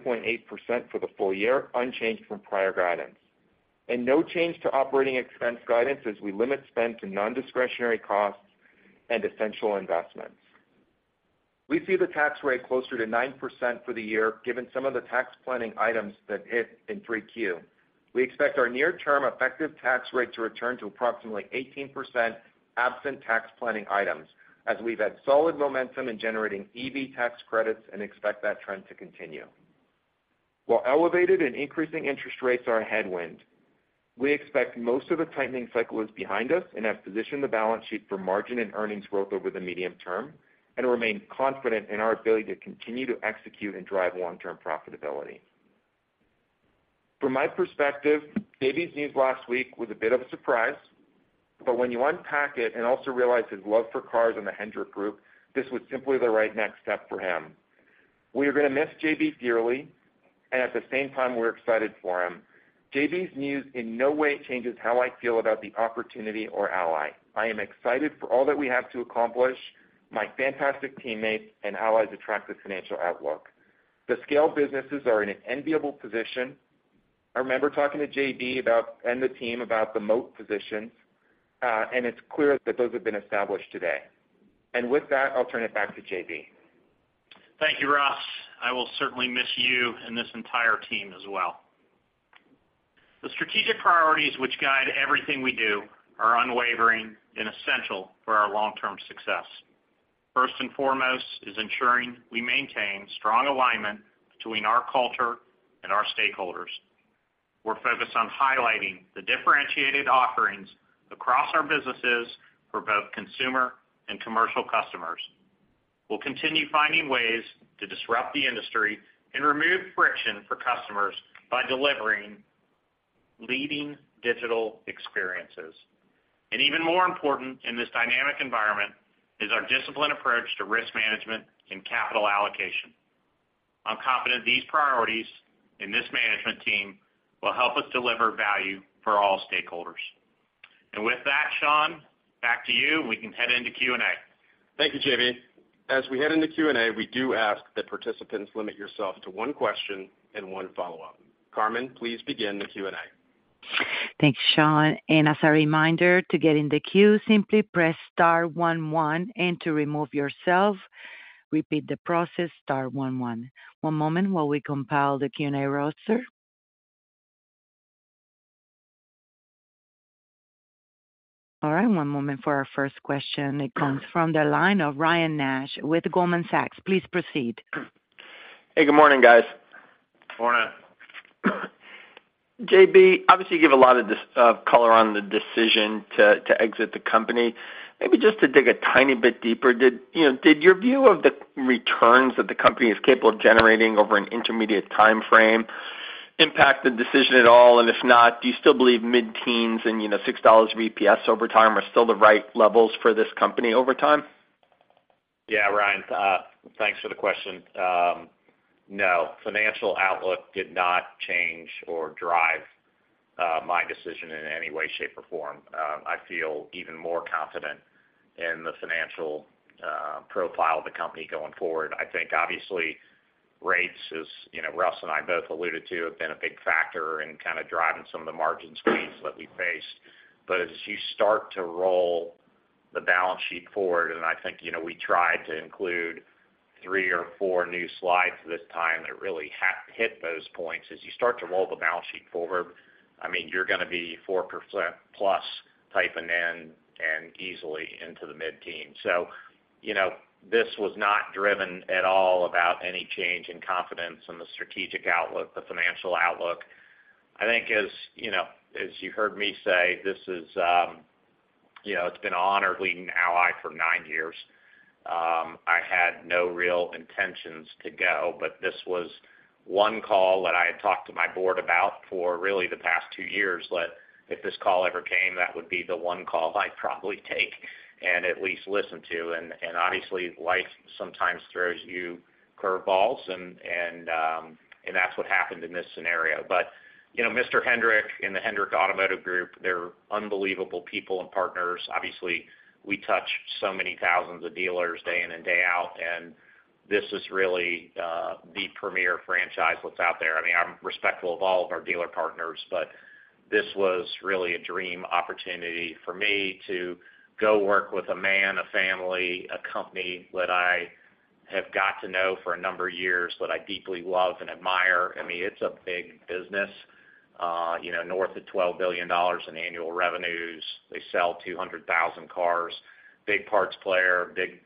for the full year, unchanged from prior guidance. No change to operating expense guidance as we limit spend to nondiscretionary costs and essential investments. We see the tax rate closer to 9% for the year, given some of the tax planning items that hit in Q3. We expect our near-term effective tax rate to return to approximately 18% absent tax planning items, as we've had solid momentum in generating EV tax credits and expect that trend to continue. While elevated and increasing interest rates are a headwind, we expect most of the tightening cycle is behind us and have positioned the balance sheet for margin and earnings growth over the medium term, and remain confident in our ability to continue to execute and drive long-term profitability. From my perspective, JB's news last week was a bit of a surprise, but when you unpack it and also realize his love for cars and the Hendrick Group, this was simply the right next step for him. We are going to miss JB dearly, and at the same time, we're excited for him. JB's news in no way changes how I feel about the opportunity or Ally. I am excited for all that we have to accomplish, my fantastic teammates and Ally's attractive financial outlook. The scale businesses are in an enviable position. I remember talking to JB about, and the team about the moat positions, and it's clear that those have been established today. With that, I'll turn it back to JB. Thank you, Russ. I will certainly miss you and this entire team as well. The strategic priorities which guide everything we do are unwavering and essential for our long-term success. First and foremost is ensuring we maintain strong alignment between our culture and our stakeholders. We're focused on highlighting the differentiated offerings across our businesses for both consumer and commercial customers. We'll continue finding ways to disrupt the industry and remove friction for customers by delivering leading digital experiences. And even more important in this dynamic environment is our disciplined approach to risk management and capital allocation. I'm confident these priorities and this management team will help us deliver value for all stakeholders. And with that, Sean, back to you, and we can head into Q&A. Thank you, JB. As we head into Q&A, we do ask that participants limit yourself to one question and one follow-up. Carmen, please begin the Q&A. Thanks, Sean. And as a reminder, to get in the queue, simply press star one, one, and to remove yourself, repeat the process, star one, one. One moment while we compile the Q&A roster. All right, one moment for our first question. It comes from the line of Ryan Nash with Goldman Sachs. Please proceed. Hey, good morning, guys. Morning. JB, obviously, you give a lot of discussion of color on the decision to exit the company. Maybe just to dig a tiny bit deeper, you know, did your view of the returns that the company is capable of generating over an intermediate timeframe impact the decision at all? And if not, do you still believe mid-teens and, you know, $6 of EPS over time are still the right levels for this company over time? Yeah, Ryan, thanks for the question. No, financial outlook did not change or drive my decision in any way, shape, or form. I feel even more confident in the financial profile of the company going forward. I think obviously, rates, as you know, Russ and I both alluded to, have been a big factor in kind of driving some of the margin squeeze that we faced. But as you start to roll the balance sheet forward, and I think, you know, we tried to include 3 or 4 new slides this time that really hit those points. As you start to roll the balance sheet forward, I mean, you're going to be 4% plus type and then, and easily into the mid-teen. So, you know, this was not driven at all about any change in confidence in the strategic outlook, the financial outlook. I think as, you know, as you heard me say, this is, you know, it's been an honor leading Ally for nine years. I had no real intentions to go, but this was one call that I had talked to my board about for really the past two years, that if this call ever came, that would be the one call I'd probably take and at least listen to. And, and obviously, life sometimes throws you curve balls, and, and, and that's what happened in this scenario. But, you know, Mr. Hendrick and the Hendrick Automotive Group, they're unbelievable people and partners. Obviously, we touch so many thousands of dealers day in and day out, and this is really, the premier franchise that's out there. I mean, I'm respectful of all of our dealer partners, but this was really a dream opportunity for me to go work with a man, a family, a company that I have got to know for a number of years, that I deeply love and admire. I mean, it's a big business, you know, north of $12 billion in annual revenues. They sell 200,000 cars, big parts player, big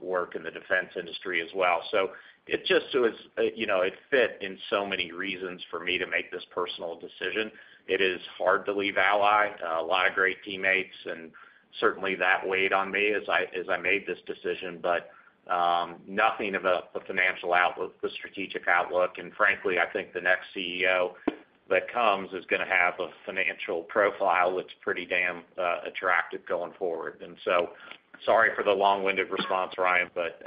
work in the defense industry as well. So it just was, you know, it fit in so many reasons for me to make this personal decision. It is hard to leave Ally, a lot of great teammates, and certainly that weighed on me as I, as I made this decision, but nothing about the financial outlook, the strategic outlook. Frankly, I think the next CEO that comes is going to have a financial profile that's pretty damn attractive going forward. So sorry for the long-winded response, Ryan, but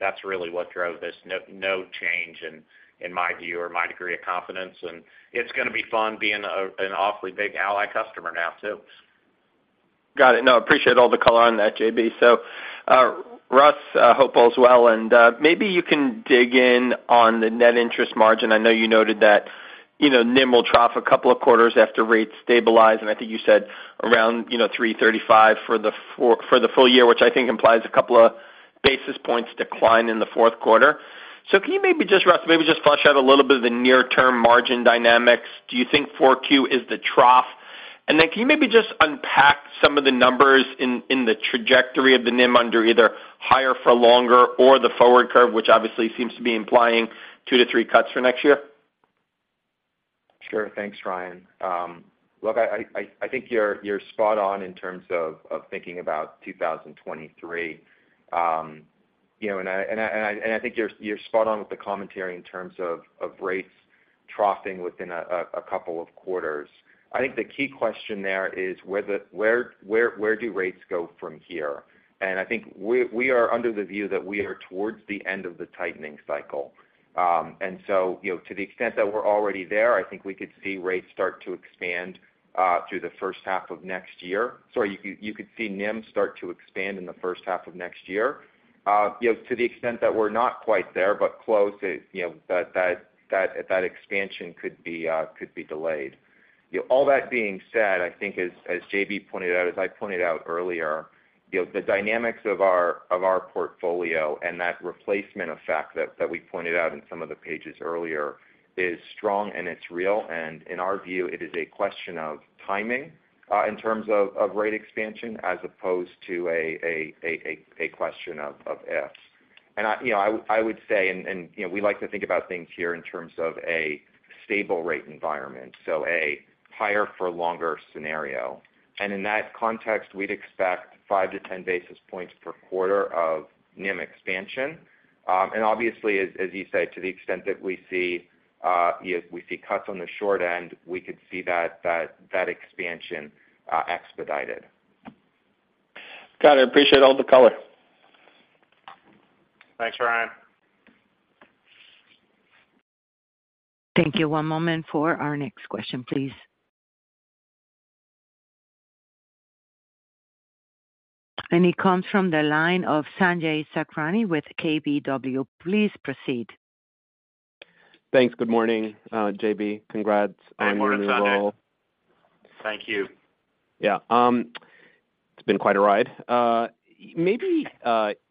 that's really what drove this. No, no change in my view or my degree of confidence, and it's going to be fun being an awfully big Ally customer now, too. ... Got it. No, I appreciate all the color on that, J.B. So, Russ, I hope all is well, and maybe you can dig in on the net interest margin. I know you noted that, you know, NIM will trough a couple of quarters after rates stabilize, and I think you said around, you know, 3.35 for the full year, which I think implies a couple of basis points decline in the fourth quarter. So can you maybe just, Russ, maybe just flesh out a little bit of the near-term margin dynamics. Do you think 4Q is the trough? And then can you maybe just unpack some of the numbers in the trajectory of the NIM under either higher for longer, or the forward curve, which obviously seems to be implying 2-3 cuts for next year? Sure. Thanks, Ryan. Look, I think you're spot on in terms of thinking about 2023. You know, and I think you're spot on with the commentary in terms of rates troughing within a couple of quarters. I think the key question there is where do rates go from here? And I think we are under the view that we are towards the end of the tightening cycle. And so, you know, to the extent that we're already there, I think we could see rates start to expand through the first half of next year. Sorry, you could see NIM start to expand in the first half of next year. You know, to the extent that we're not quite there, but close, you know, that expansion could be delayed. You know, all that being said, I think as J.B. pointed out, as I pointed out earlier, you know, the dynamics of our portfolio and that replacement effect that we pointed out in some of the pages earlier is strong, and it's real, and in our view, it is a question of timing in terms of rate expansion, as opposed to a question of ifs. And I, you know, would say, and you know, we like to think about things here in terms of a stable rate environment, so a higher for longer scenario. And in that context, we'd expect 5-10 basis points per quarter of NIM expansion. Obviously, as you say, to the extent that we see cuts on the short end, we could see that expansion expedited. Got it. I appreciate all the color. Thanks, Ryan. Thank you. One moment for our next question, please. It comes from the line of Sanjay Sakhrani with KBW. Please proceed. Thanks. Good morning, J.B. Congrats on your new role. Good morning, Sanjay. Thank you. Yeah, it's been quite a ride. Maybe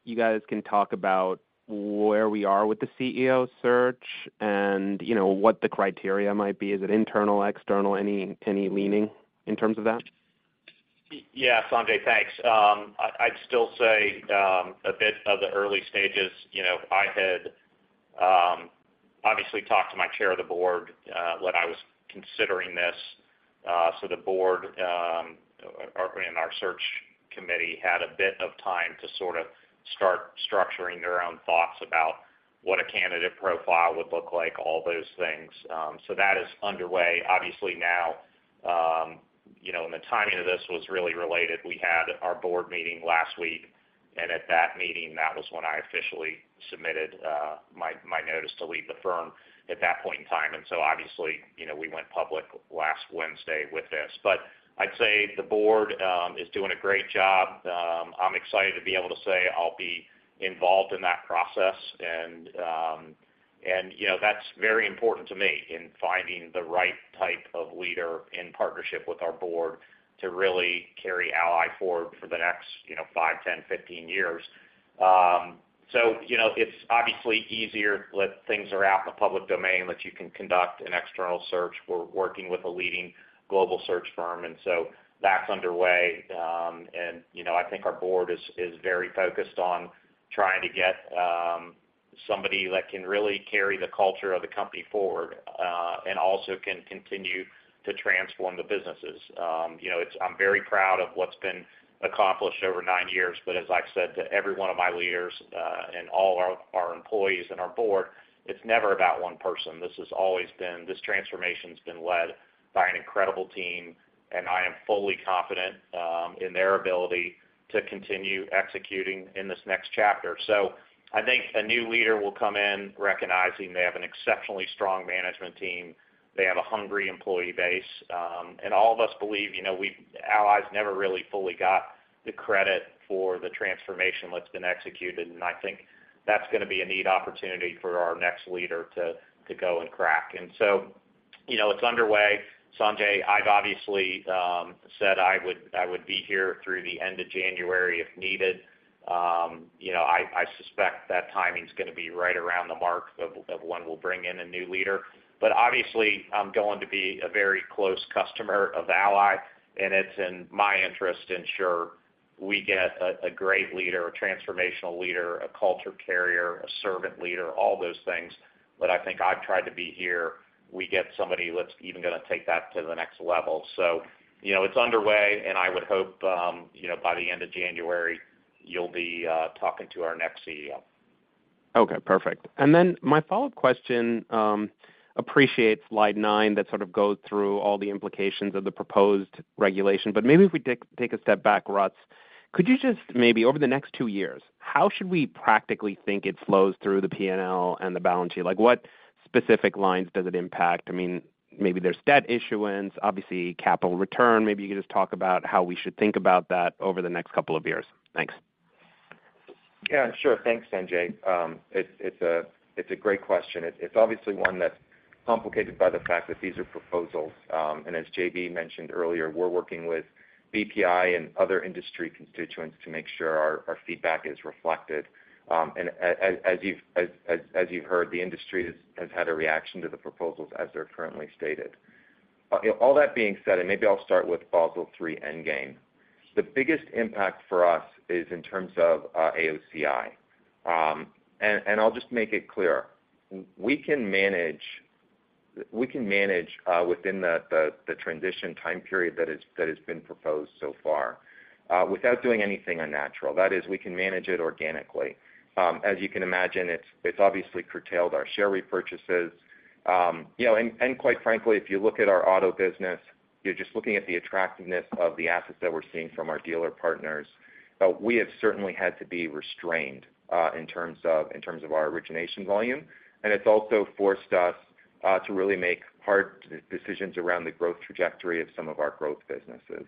you guys can talk about where we are with the CEO search and, you know, what the criteria might be. Is it internal, external? Any leaning in terms of that? Yeah, Sanjay, thanks. I'd still say a bit of the early stages, you know, I had obviously talked to my chair of the board when I was considering this. So the board, our, and our search committee had a bit of time to sort of start structuring their own thoughts about what a candidate profile would look like, all those things. So that is underway. Obviously now, you know, and the timing of this was really related. We had our board meeting last week, and at that meeting, that was when I officially submitted my notice to leave the firm at that point in time. And so obviously, you know, we went public last Wednesday with this. But I'd say the board is doing a great job. I'm excited to be able to say I'll be involved in that process. You know, that's very important to me in finding the right type of leader in partnership with our board to really carry Ally forward for the next, you know, five, 10, 15 years. So, you know, it's obviously easier that things are out in the public domain, that you can conduct an external search. We're working with a leading global search firm, and so that's underway. You know, I think our board is very focused on trying to get somebody that can really carry the culture of the company forward, and also can continue to transform the businesses. You know, it's. I'm very proud of what's been accomplished over nine years, but as I've said to every one of my leaders, and all our employees and our board, it's never about one person. This has always been. This transformation's been led by an incredible team, and I am fully confident in their ability to continue executing in this next chapter. So I think a new leader will come in recognizing they have an exceptionally strong management team, they have a hungry employee base, and all of us believe, you know, we. Ally's never really fully got the credit for the transformation that's been executed, and I think that's gonna be a neat opportunity for our next leader to go and crack. And so, you know, it's underway. Sanjay, I've obviously said I would, I would be here through the end of January, if needed. You know, I, I suspect that timing's gonna be right around the mark of, of when we'll bring in a new leader. But obviously, I'm going to be a very close customer of Ally, and it's in my interest to ensure we get a, a great leader, a transformational leader, a culture carrier, a servant leader, all those things. But I think I've tried to be here. We get somebody that's even gonna take that to the next level. So, you know, it's underway, and I would hope, you know, by the end of January, you'll be talking to our next CEO. Okay, perfect. And then my follow-up question, appreciate slide nine, that sort of goes through all the implications of the proposed regulation. But maybe if we take a step back, Russ. Could you just maybe over the next two years, how should we practically think it flows through the PNL and the balance sheet? Like, what specific lines does it impact? I mean, maybe there's debt issuance, obviously capital return. Maybe you could just talk about how we should think about that over the next couple of years. Thanks. Yeah, sure. Thanks, Sanjay. It's a great question. It's obviously one that's complicated by the fact that these are proposals. And as JB mentioned earlier, we're working with BPI and other industry constituents to make sure our feedback is reflected. And as you've heard, the industry has had a reaction to the proposals as they're currently stated. All that being said, and maybe I'll start with Basel III Endgame. The biggest impact for us is in terms of AOCI. And I'll just make it clear, we can manage within the transition time period that has been proposed so far without doing anything unnatural. That is, we can manage it organically. As you can imagine, it's obviously curtailed our share repurchases. You know, and quite frankly, if you look at our auto business, you're just looking at the attractiveness of the assets that we're seeing from our dealer partners. We have certainly had to be restrained, in terms of our origination volume, and it's also forced us to really make hard decisions around the growth trajectory of some of our growth businesses.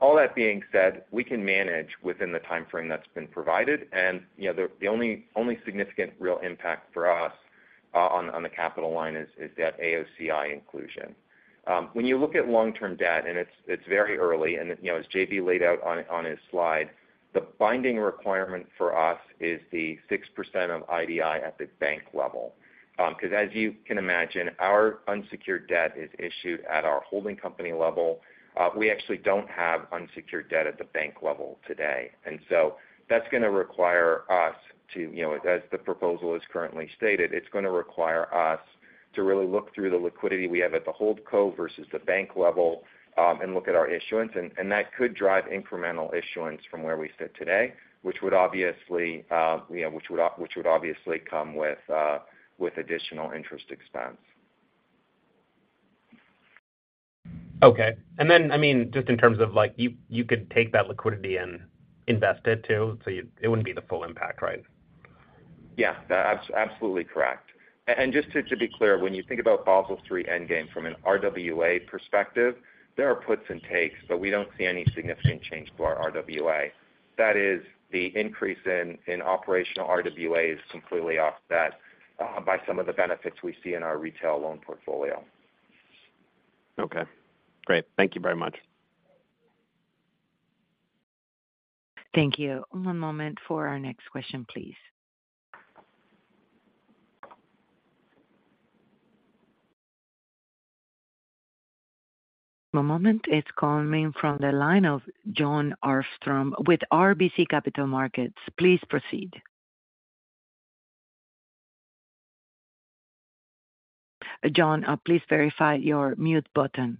All that being said, we can manage within the timeframe that's been provided, and, you know, the only significant real impact for us on the capital line is that AOCI inclusion. When you look at long-term debt, and it's very early, and, you know, as JB laid out on his slide, the binding requirement for us is the 6% of IDI at the bank level. Because as you can imagine, our unsecured debt is issued at our holding company level. We actually don't have unsecured debt at the bank level today, and so that's gonna require us to, you know, as the proposal is currently stated, it's gonna require us to really look through the liquidity we have at the hold co versus the bank level, and look at our issuance. And that could drive incremental issuance from where we sit today, which would obviously, you know, which would obviously come with additional interest expense. Okay. And then, I mean, just in terms of like, you could take that liquidity and invest it too, so it wouldn't be the full impact, right? Yeah, absolutely correct. And just to be clear, when you think about Basel III Endgame from an RWA perspective, there are puts and takes, but we don't see any significant change to our RWA. That is, the increase in operational RWA is completely offset by some of the benefits we see in our retail loan portfolio. Okay, great. Thank you very much. Thank you. One moment for our next question, please. One moment. It's coming from the line of John Armstrong with RBC Capital Markets. Please proceed. John, please verify your mute button.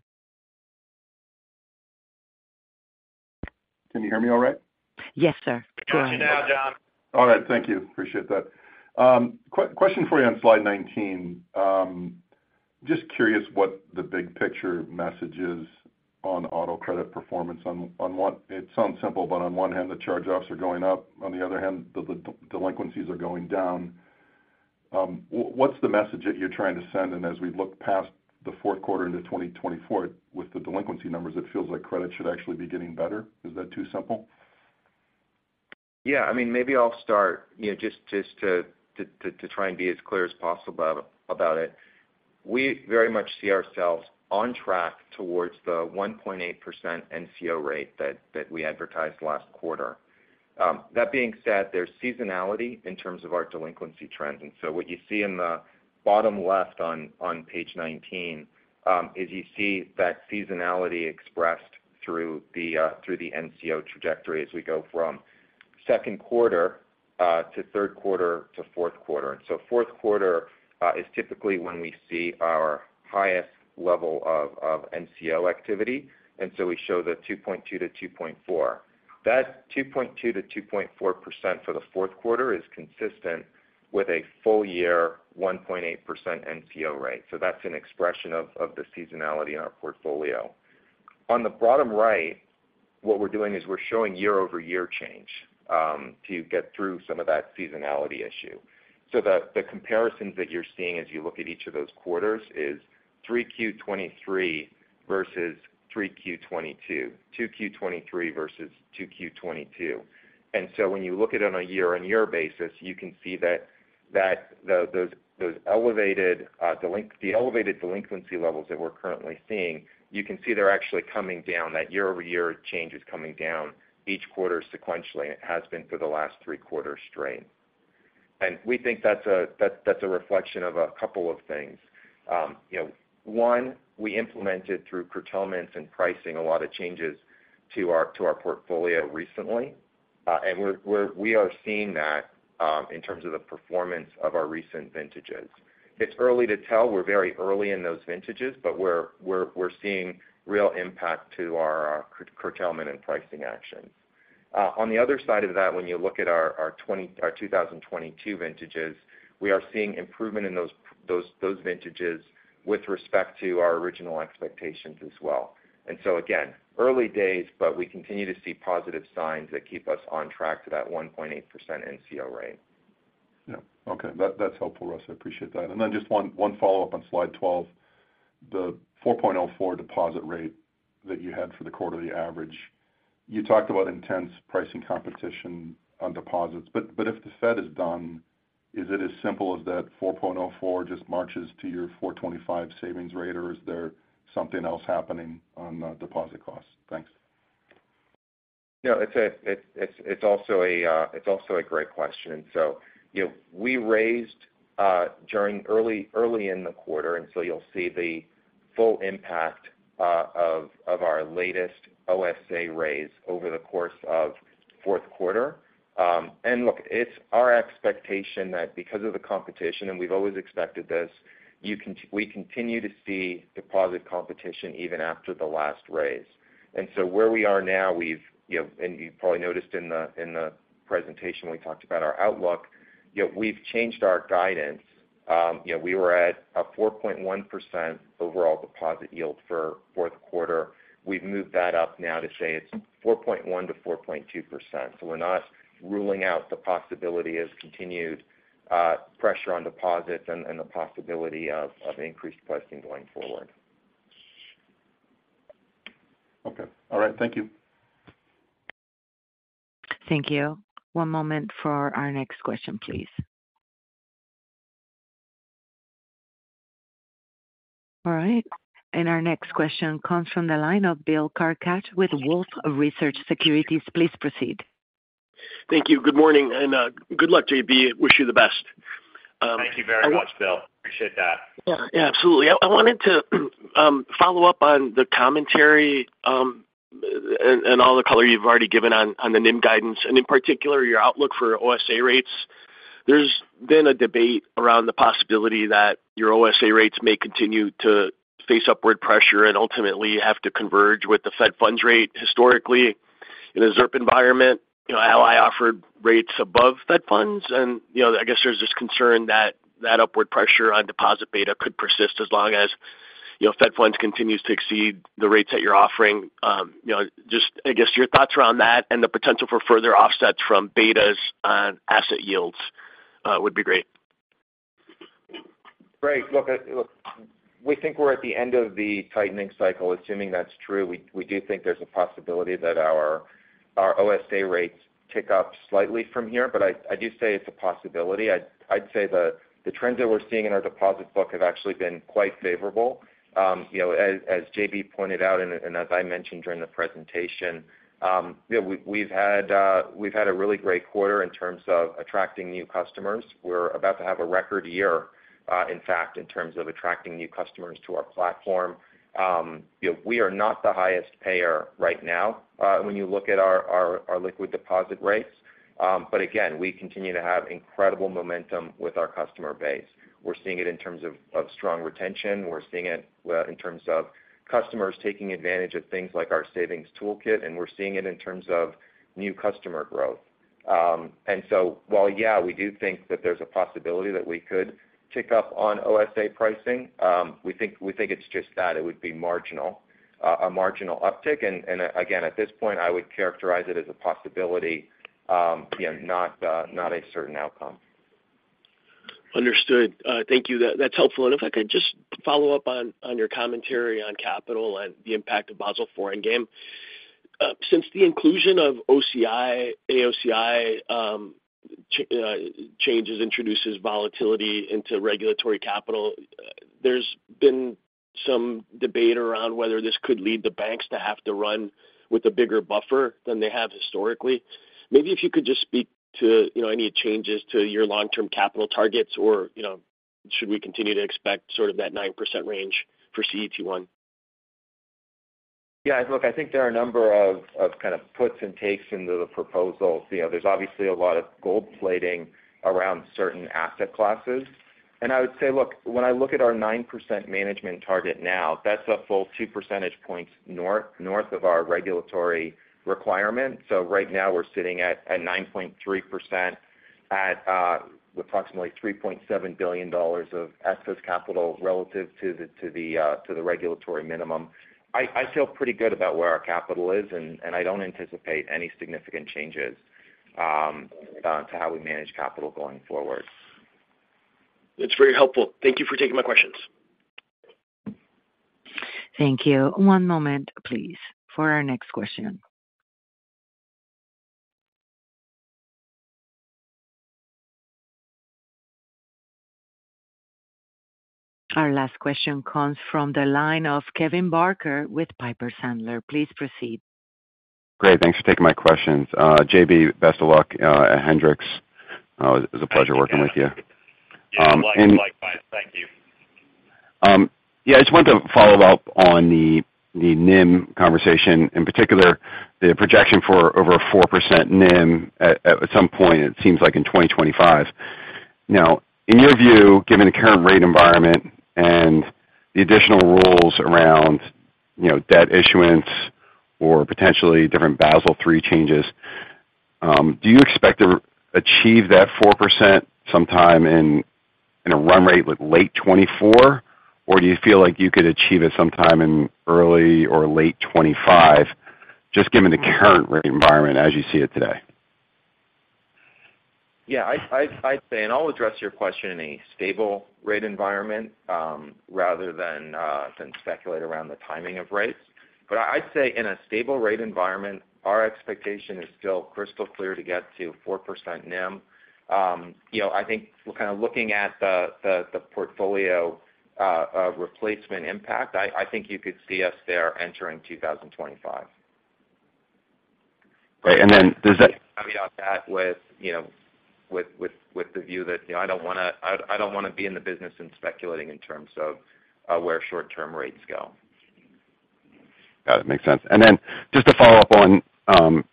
Can you hear me all right? Yes, sir. We can hear you now, John. All right. Thank you. Appreciate that. Question for you on slide 19. Just curious what the big picture message is on auto credit performance. On one hand, it sounds simple, but on the other hand, the delinquencies are going down. What's the message that you're trying to send? And as we look past the fourth quarter into 2024, with the delinquency numbers, it feels like credit should actually be getting better. Is that too simple? Yeah, I mean, maybe I'll start, you know, just to try and be as clear as possible about it. We very much see ourselves on track towards the 1.8% NCO rate that we advertised last quarter. That being said, there's seasonality in terms of our delinquency trends. And so what you see in the bottom left on page 19 is you see that seasonality expressed through the NCO trajectory as we go from second quarter to third quarter to fourth quarter. And so fourth quarter is typically when we see our highest level of NCO activity, and so we show the 2.2-2.4. That 2.2%-2.4% for the fourth quarter is consistent with a full year 1.8% NCO rate. So that's an expression of the seasonality in our portfolio. On the bottom right, what we're doing is we're showing year-over-year change to get through some of that seasonality issue. So the comparisons that you're seeing as you look at each of those quarters is 3Q 2023 versus 3Q 2022, 2Q 2023 versus 2Q 2022. And so when you look at it on a year-on-year basis, you can see that the those elevated delinquency levels that we're currently seeing, you can see they're actually coming down. That year-over-year change is coming down each quarter sequentially, and it has been for the last three quarters straight. And we think that's a reflection of a couple of things. You know, one, we implemented through curtailments and pricing, a lot of changes to our, to our portfolio recently, and we are seeing that, in terms of the performance of our recent vintages. It's early to tell. We're very early in those vintages, but we are seeing real impact to our, curtailment and pricing actions. On the other side of that, when you look at our 2022 vintages, we are seeing improvement in those vintages with respect to our original expectations as well. And so again, early days, but we continue to see positive signs that keep us on track to that 1.8% NCO rate.... Yeah. Okay, that's helpful, Russ. I appreciate that. And then just one follow-up on slide 12, the 4.04 deposit rate that you had for the quarterly average. You talked about intense pricing competition on deposits, but if the Fed is done, is it as simple as that 4.04 just marches to your 4.25 savings rate, or is there something else happening on the deposit costs? Thanks. No, it's also a great question. So, you know, we raised during early in the quarter, and so you'll see the full impact of our latest OSA raise over the course of fourth quarter. And look, it's our expectation that because of the competition, and we've always expected this, we continue to see deposit competition even after the last raise. And so where we are now, we've, you know, and you probably noticed in the presentation, when we talked about our outlook, you know, we've changed our guidance. You know, we were at a 4.1% overall deposit yield for fourth quarter. We've moved that up now to say it's 4.1%-4.2%. So we're not ruling out the possibility of continued pressure on deposits and the possibility of increased pricing going forward. Okay. All right. Thank you. Thank you. One moment for our next question, please. All right, and our next question comes from the line of Bill Carca with Wolfe Research Securities. Please proceed. Thank you. Good morning, and good luck, JB. Wish you the best. Thank you very much, Bill. Appreciate that. Yeah, absolutely. I wanted to follow up on the commentary and all the color you've already given on the NIM guidance, and in particular, your outlook for OSA rates. There's been a debate around the possibility that your OSA rates may continue to face upward pressure and ultimately have to converge with the Fed funds rate. Historically, in a ZIRP environment, you know, how I offered rates above Fed funds, and, you know, I guess there's just concern that that upward pressure on deposit beta could persist as long as, you know, Fed funds continues to exceed the rates that you're offering. You know, just, I guess, your thoughts around that and the potential for further offsets from betas on asset yields would be great. Great. Look, we think we're at the end of the tightening cycle. Assuming that's true, we do think there's a possibility that our OSA rates tick up slightly from here, but I do say it's a possibility. I'd say the trends that we're seeing in our deposit book have actually been quite favorable. You know, as JB pointed out, and as I mentioned during the presentation, you know, we've had a really great quarter in terms of attracting new customers. We're about to have a record year, in fact, in terms of attracting new customers to our platform. You know, we are not the highest payer right now, when you look at our liquid deposit rates. But again, we continue to have incredible momentum with our customer base. We're seeing it in terms of strong retention. We're seeing it in terms of customers taking advantage of things like our savings toolkit, and we're seeing it in terms of new customer growth. And so while, yeah, we do think that there's a possibility that we could tick up on OSA pricing, we think it's just that it would be marginal, a marginal uptick. And again, at this point, I would characterize it as a possibility, you know, not a certain outcome. Understood. Thank you. That's helpful. If I could just follow up on your commentary on capital and the impact of Basel IV Endgame. Since the inclusion of OCI, AOCI, changes introduces volatility into regulatory capital, there's been some debate around whether this could lead the banks to have to run with a bigger buffer than they have historically. Maybe if you could just speak to, you know, any changes to your long-term capital targets, or, you know, should we continue to expect sort of that 9% range for CET1? Yeah, look, I think there are a number of kind of puts and takes into the proposals. You know, there's obviously a lot of gold plating around certain asset classes. And I would say, look, when I look at our 9% management target now, that's a full two percentage points north of our regulatory requirement. So right now we're sitting at 9.3% at approximately $3.7 billion of excess capital relative to the regulatory minimum. I feel pretty good about where our capital is, and I don't anticipate any significant changes to how we manage capital going forward. That's very helpful. Thank you for taking my questions. Thank you. One moment, please, for our next question. Our last question comes from the line of Kevin Barker with Piper Sandler. Please proceed. Great. Thanks for taking my questions. JB, best of luck at Hendrick. It was a pleasure working with you. Yeah, likewise. Thank you. Yeah, I just wanted to follow up on the NIM conversation, in particular, the projection for over a 4% NIM at some point, it seems like in 2025. Now, in your view, given the current rate environment and the additional rules around, you know, debt issuance or potentially different Basel III changes, do you expect to achieve that 4% sometime in a run rate like late 2024? Or do you feel like you could achieve it sometime in early or late 2025, just given the current rate environment as you see it today? Yeah, I'd say, and I'll address your question in a stable rate environment, rather than speculate around the timing of rates. But I'd say in a stable rate environment, our expectation is still crystal clear to get to 4% NIM. You know, I think we're kind of looking at the portfolio replacement impact. I think you could see us there entering 2025. Right. And then does that- Caveat on that with, you know, with the view that, you know, I don't wanna be in the business of speculating in terms of where short-term rates go. Yeah, that makes sense. Then just to follow up on,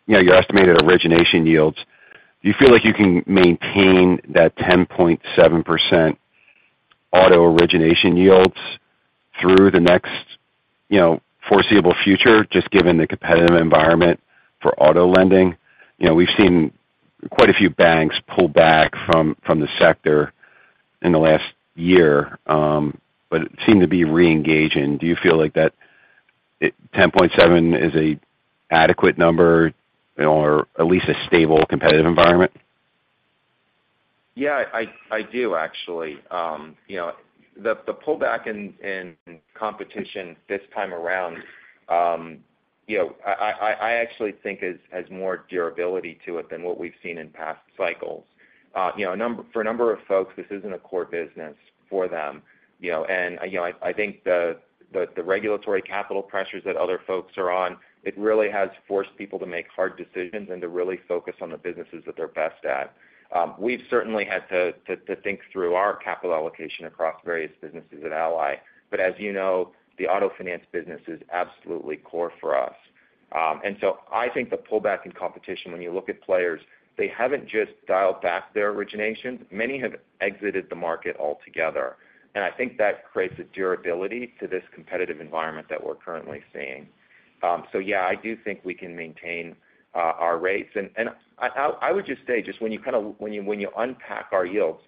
you know, your estimated origination yields, do you feel like you can maintain that 10.7% auto origination yields through the next, you know, foreseeable future, just given the competitive environment for auto lending? You know, we've seen quite a few banks pull back from, from the sector in the last year, but seem to be reengaging. Do you feel like that ten point seven is a adequate number or at least a stable competitive environment? Yeah, I do actually. You know, the pullback in competition this time around, you know, I actually think has more durability to it than what we've seen in past cycles. You know, for a number of folks, this isn't a core business for them, you know? And you know, I think the regulatory capital pressures that other folks are on. It really has forced people to make hard decisions and to really focus on the businesses that they're best at. We've certainly had to think through our capital allocation across various businesses at Ally. But as you know, the auto finance business is absolutely core for us. And so I think the pullback in competition, when you look at players, they haven't just dialed back their originations. Many have exited the market altogether. And I think that creates a durability to this competitive environment that we're currently seeing. So yeah, I do think we can maintain our rates. And I would just say, just when you kinda unpack our yields,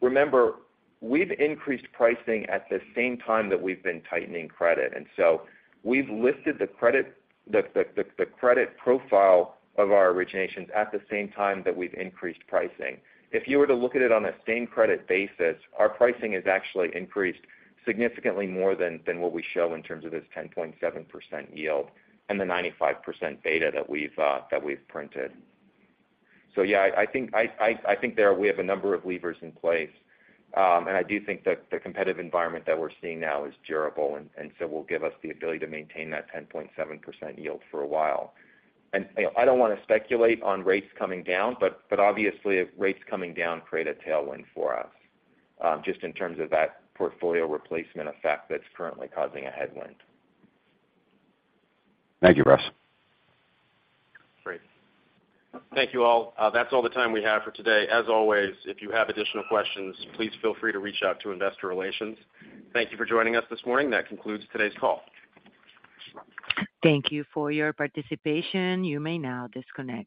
remember, we've increased pricing at the same time that we've been tightening credit. And so we've lifted the credit profile of our originations at the same time that we've increased pricing. If you were to look at it on a same credit basis, our pricing has actually increased significantly more than what we show in terms of this 10.7% yield and the 95% beta that we've printed. So yeah, I think there we have a number of levers in place. I do think that the competitive environment that we're seeing now is durable and so will give us the ability to maintain that 10.7% yield for a while. And, you know, I don't wanna speculate on rates coming down, but obviously, if rates coming down create a tailwind for us, just in terms of that portfolio replacement effect that's currently causing a headwind. Thank you, Russ. Great. Thank you, all. That's all the time we have for today. As always, if you have additional questions, please feel free to reach out to investor relations. Thank you for joining us this morning. That concludes today's call. Thank you for your participation. You may now disconnect.